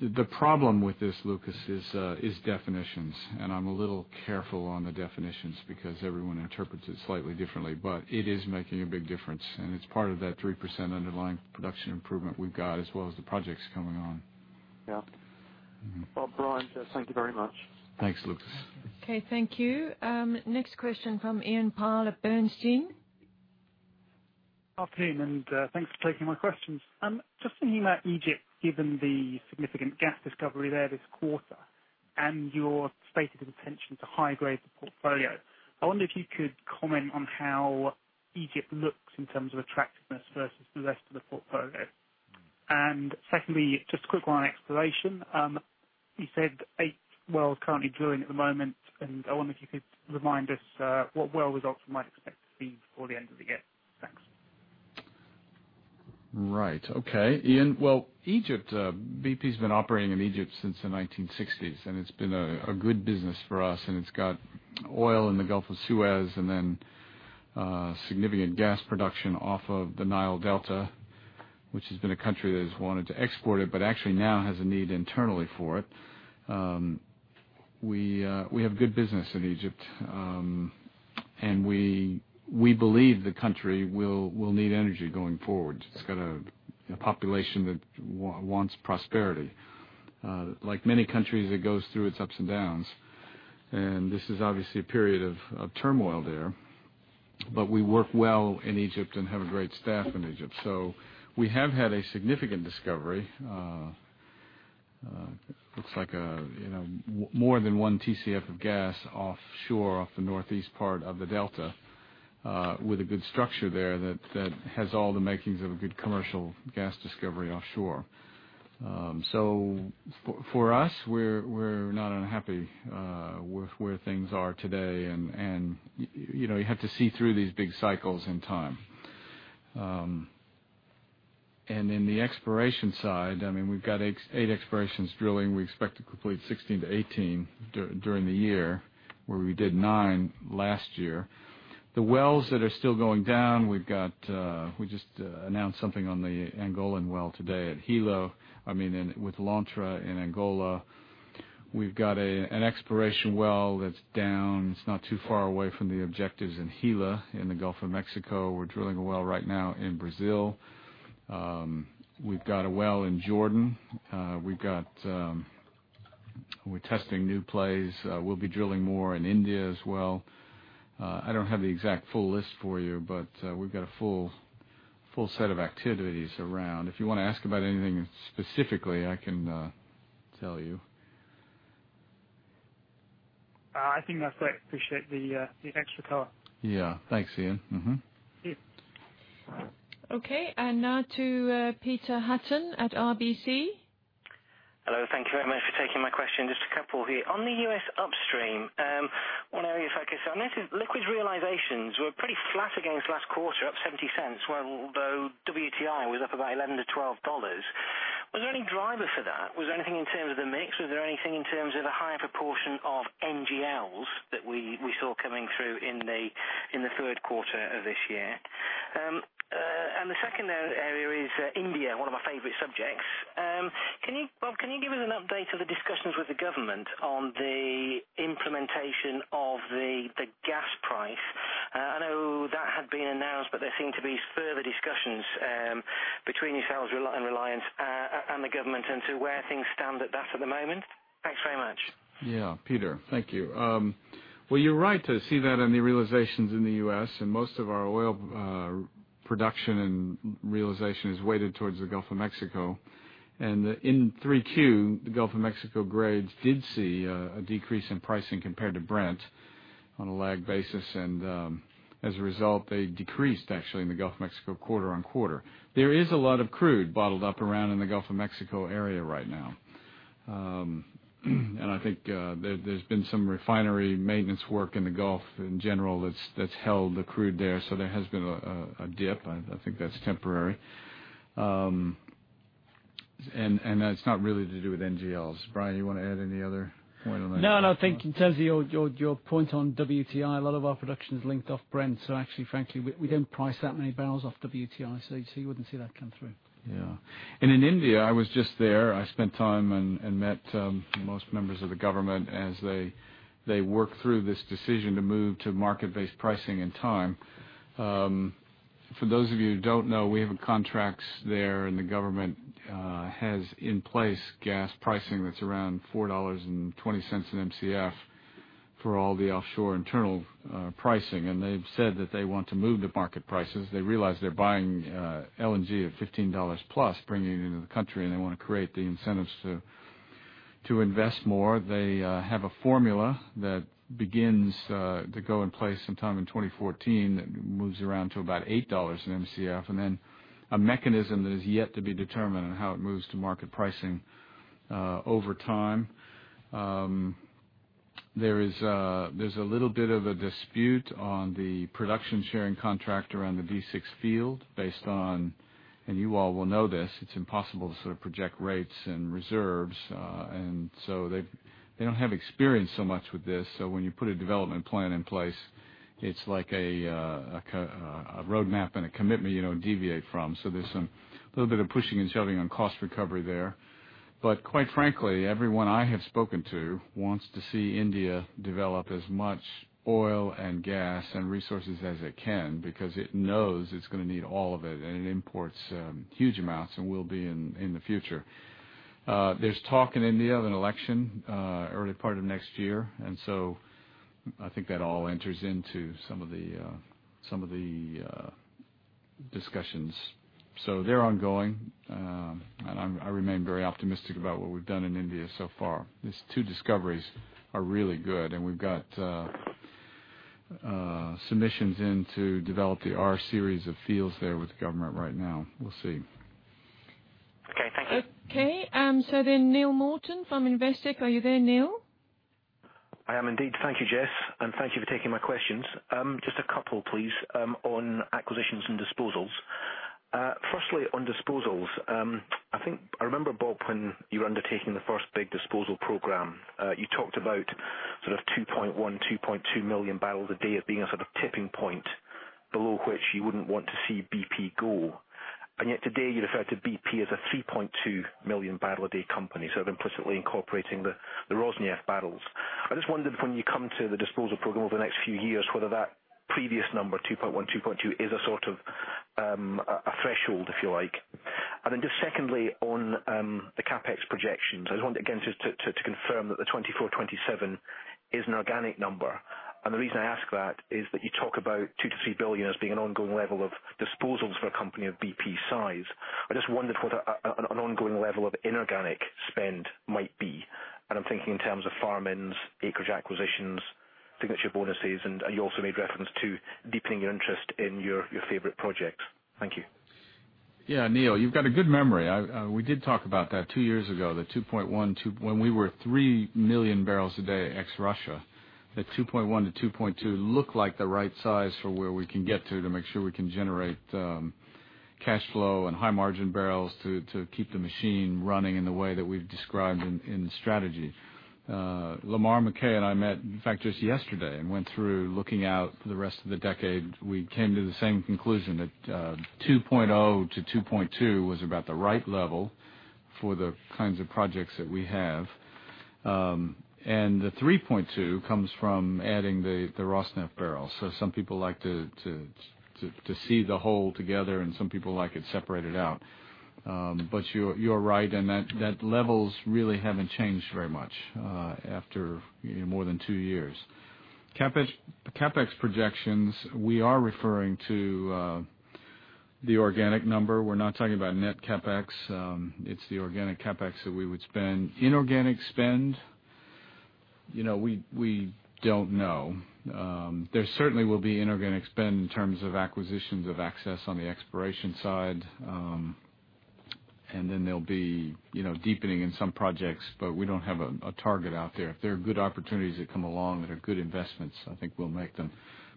The problem with this, Lucas, is definitions. I'm a little careful on the definitions because everyone interprets it slightly differently, but it is making a big difference, and it's part of that 3% underlying production improvement we've got, as well as the projects coming on. Yeah. Bob, Brian, Jess, thank you very much. Thanks, Lucas. Okay, thank you. Next question from Ian Parr of Bernstein. Afternoon. Thanks for taking my questions. Just thinking about Egypt, given the significant gas discovery there this quarter and your stated intention to high-grade the portfolio. I wonder if you could comment on how Egypt looks in terms of attractiveness versus the rest of the portfolio. Secondly, just a quick one on exploration. You said eight wells currently drilling at the moment, and I wonder if you could remind us what well results we might expect to see before the end of the year. Thanks. Right. Okay, Ian. Egypt, BP's been operating in Egypt since the 1960s, and it's been a good business for us, and it's got oil in the Gulf of Suez and then significant gas production off of the Nile Delta, which has been a country that has wanted to export it, but actually now has a need internally for it. We have good business in Egypt. We believe the country will need energy going forward. It's got a population that wants prosperity. Like many countries, it goes through its ups and downs, and this is obviously a period of turmoil there. We work well in Egypt and have a great staff in Egypt. We have had a significant discovery. Looks like more than one TCF of gas offshore, off the northeast part of the Delta, with a good structure there that has all the makings of a good commercial gas discovery offshore. For us, we're not unhappy with where things are today, and you have to see through these big cycles in time. In the exploration side, we've got eight explorations drilling. We expect to complete 16-18 during the year, where we did nine last year. The wells that are still going down, we just announced something on the Angolan well today at Hilo. I mean, with Lontra in Angola. We've got an exploration well that's down. It's not too far away from the objectives in Gila in the Gulf of Mexico. We're drilling a well right now in Brazil. We've got a well in Jordan. We're testing new plays. We'll be drilling more in India as well. I don't have the exact full list for you, we've got a full set of activities around. If you want to ask about anything specifically, I can tell you. I think that's it. Appreciate the extra color. Yeah. Thanks, Ian. Cheers. Okay, now to Peter Hutton at RBC. Hello, thank you very much for taking my question. Just a couple here. On the U.S. upstream, one area of focus I noticed liquids realizations were pretty flat against last quarter, up $0.70, although WTI was up about $11-$12. Was there any driver for that? Was there anything in terms of the mix? Was there anything in terms of the higher proportion of NGLs that we saw coming through in the third quarter of this year? The second area is India, one of my favorite subjects. Bob, can you give us an update of the discussions with the government on the implementation of the gas price? I know that had been announced, but there seem to be further discussions between yourselves and Reliance, and the government into where things stand at that at the moment. Thanks very much. Yeah. Peter, thank you. Well, you're right to see that in the realizations in the U.S., most of our oil production and realization is weighted towards the Gulf of Mexico. In 3Q, the Gulf of Mexico grades did see a decrease in pricing compared to Brent on a lag basis. As a result, they decreased actually in the Gulf of Mexico quarter-on-quarter. There is a lot of crude bottled up around in the Gulf of Mexico area right now. I think there's been some refinery maintenance work in the Gulf in general that's held the crude there. There has been a dip. I think that's temporary. That's not really to do with NGLs. Brian, you want to add any other point on that? No, I think in terms of your point on WTI, a lot of our production is linked off Brent. Actually, frankly, we don't price that many barrels off WTI, so you wouldn't see that come through. In India, I was just there. I spent time and met most members of the government as they work through this decision to move to market-based pricing and time. For those of you who don't know, we have contracts there, the government has in place gas pricing that's around $4.20 an Mcf for all the offshore internal pricing. They've said that they want to move to market prices. They realize they're buying LNG at $15 plus bringing it into the country, and they want to create the incentives to invest more. They have a formula that begins to go in place sometime in 2014 that moves around to about $8 an Mcf, and then a mechanism that is yet to be determined on how it moves to market pricing over time. There's a little bit of a dispute on the production sharing contract around the D6 field based on, and you all will know this, it's impossible to sort of project rates and reserves. They don't have experience so much with this. When you put a development plan in place, it's like a roadmap and a commitment you don't deviate from. There's a little bit of pushing and shoving on cost recovery there. Quite frankly, everyone I have spoken to wants to see India develop as much oil and gas and resources as it can because it knows it's going to need all of it, and it imports huge amounts and will be in the future. There's talk in India of an election early part of next year. I think that all enters into some of the discussions. They're ongoing. I remain very optimistic about what we've done in India so far. These two discoveries are really good, and we have submissions in to develop the R series of fields there with the government right now. We'll see. Thank you. Okay. Neill Morton from Investec. Are you there, Neill? I am indeed. Thank you, Jess, and thank you for taking my questions. Just a couple, please, on acquisitions and disposals. Firstly, on disposals. I think I remember, Bob, when you were undertaking the first big disposal program, you talked about sort of 2.1, 2.2 million barrels a day as being a sort of tipping point below which you wouldn't want to see BP go. Yet today you referred to BP as a 3.2 million barrel a day company, sort of implicitly incorporating the Rosneft barrels. I just wondered when you come to the disposal program over the next few years, whether that previous number, 2.1, 2.2, is a sort of, a threshold, if you like. Just secondly, on the CapEx projections. I just wondered again just to confirm that the 24, 27 is an organic number. The reason I ask that is that you talk about $2 billion-$3 billion as being an ongoing level of disposals for a company of BP's size. I just wondered what an ongoing level of inorganic spend might be, and I'm thinking in terms of farm-ins, acreage acquisitions, signature bonuses, and you also made reference to deepening your interest in your favorite projects. Thank you. Yeah. Neill, you've got a good memory. We did talk about that two years ago, the 2.1, 2.2, when we were 3 million barrels a day ex Russia, the 2.1-2.2 looked like the right size for where we can get to make sure we can generate cashflow and high margin barrels to keep the machine running in the way that we've described in the strategy. Lamar McKay and I met, in fact, just yesterday and went through looking out for the rest of the decade. We came to the same conclusion that 2.0-2.2 was about the right level for the kinds of projects that we have. The 3.2 comes from adding the Rosneft barrels. Some people like to see the whole together, and some people like it separated out. You're right in that levels really haven't changed very much after more than two years. CapEx projections, we are referring to the organic number. We're not talking about net CapEx. It's the organic CapEx that we would spend. Inorganic spend, we don't know. There certainly will be inorganic spend in terms of acquisitions of access on the exploration side. There'll be deepening in some projects, but we don't have a target out there. If there are good opportunities that come along that are good investments, I think we'll make them.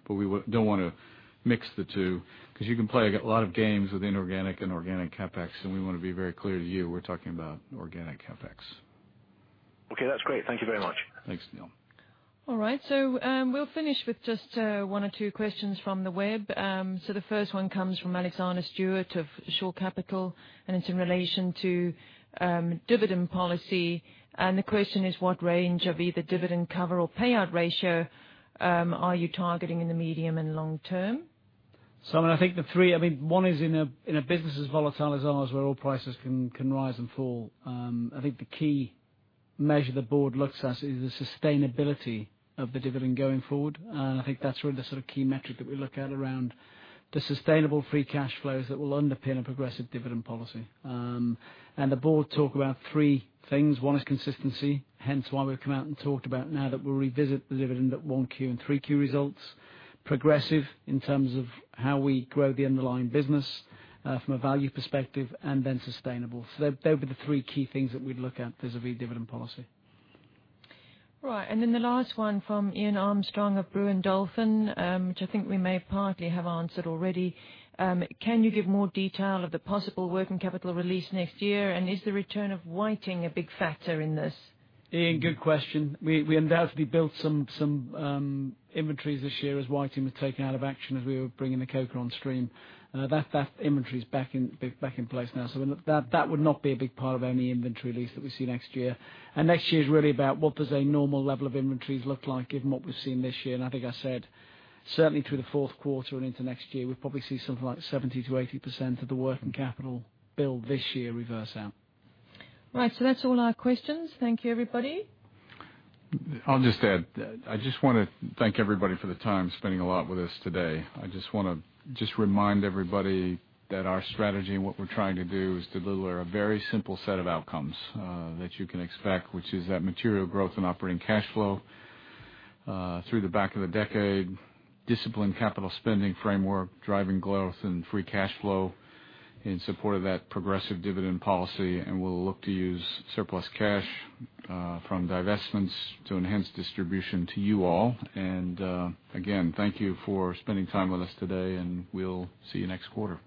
We don't want to mix the two, because you can play a lot of games with inorganic and organic CapEx, and we want to be very clear to you, we're talking about organic CapEx. Okay. That's great. Thank you very much. Thanks, Neill. All right. We'll finish with just one or two questions from the web. The first one comes from Alex Stewart of Shore Capital, and it's in relation to dividend policy. The question is what range of either dividend cover or payout ratio are you targeting in the medium and long term? Someone, I think the three, I mean, one is in a business as volatile as ours where oil prices can rise and fall. I think the key measure the board looks at is the sustainability of the dividend going forward. I think that's really the sort of key metric that we look at around the sustainable free cash flows that will underpin a progressive dividend policy. The board talk about three things. One is consistency, hence why we've come out and talked about now that we'll revisit the dividend at 1 Q and 3 Q results. Progressive in terms of how we grow the underlying business from a value perspective, then sustainable. They would be the three key things that we'd look at vis-à-vis dividend policy. Right. The last one from Iain Armstrong of Brewin Dolphin, which I think we may partly have answered already. Can you give more detail of the possible working capital release next year? Is the return of Whiting a big factor in this? Iain, good question. We undoubtedly built some inventories this year as Whiting was taken out of action as we were bringing the Coker on stream. That inventory is back in place now. That would not be a big part of any inventory lease that we see next year. Next year is really about what does a normal level of inventories look like given what we've seen this year. I think I said certainly through the fourth quarter and into next year, we'll probably see something like 70%-80% of the working capital build this year reverse out. Right. That's all our questions. Thank you, everybody. I'll just add. I just want to thank everybody for the time spending a lot with us today. I just want to just remind everybody that our strategy and what we're trying to do is deliver a very simple set of outcomes that you can expect, which is that material growth and operating cash flow through the back of the decade, disciplined capital spending framework, driving growth and free cash flow in support of that progressive dividend policy, and we'll look to use surplus cash from divestments to enhance distribution to you all. Again, thank you for spending time with us today, and we'll see you next quarter.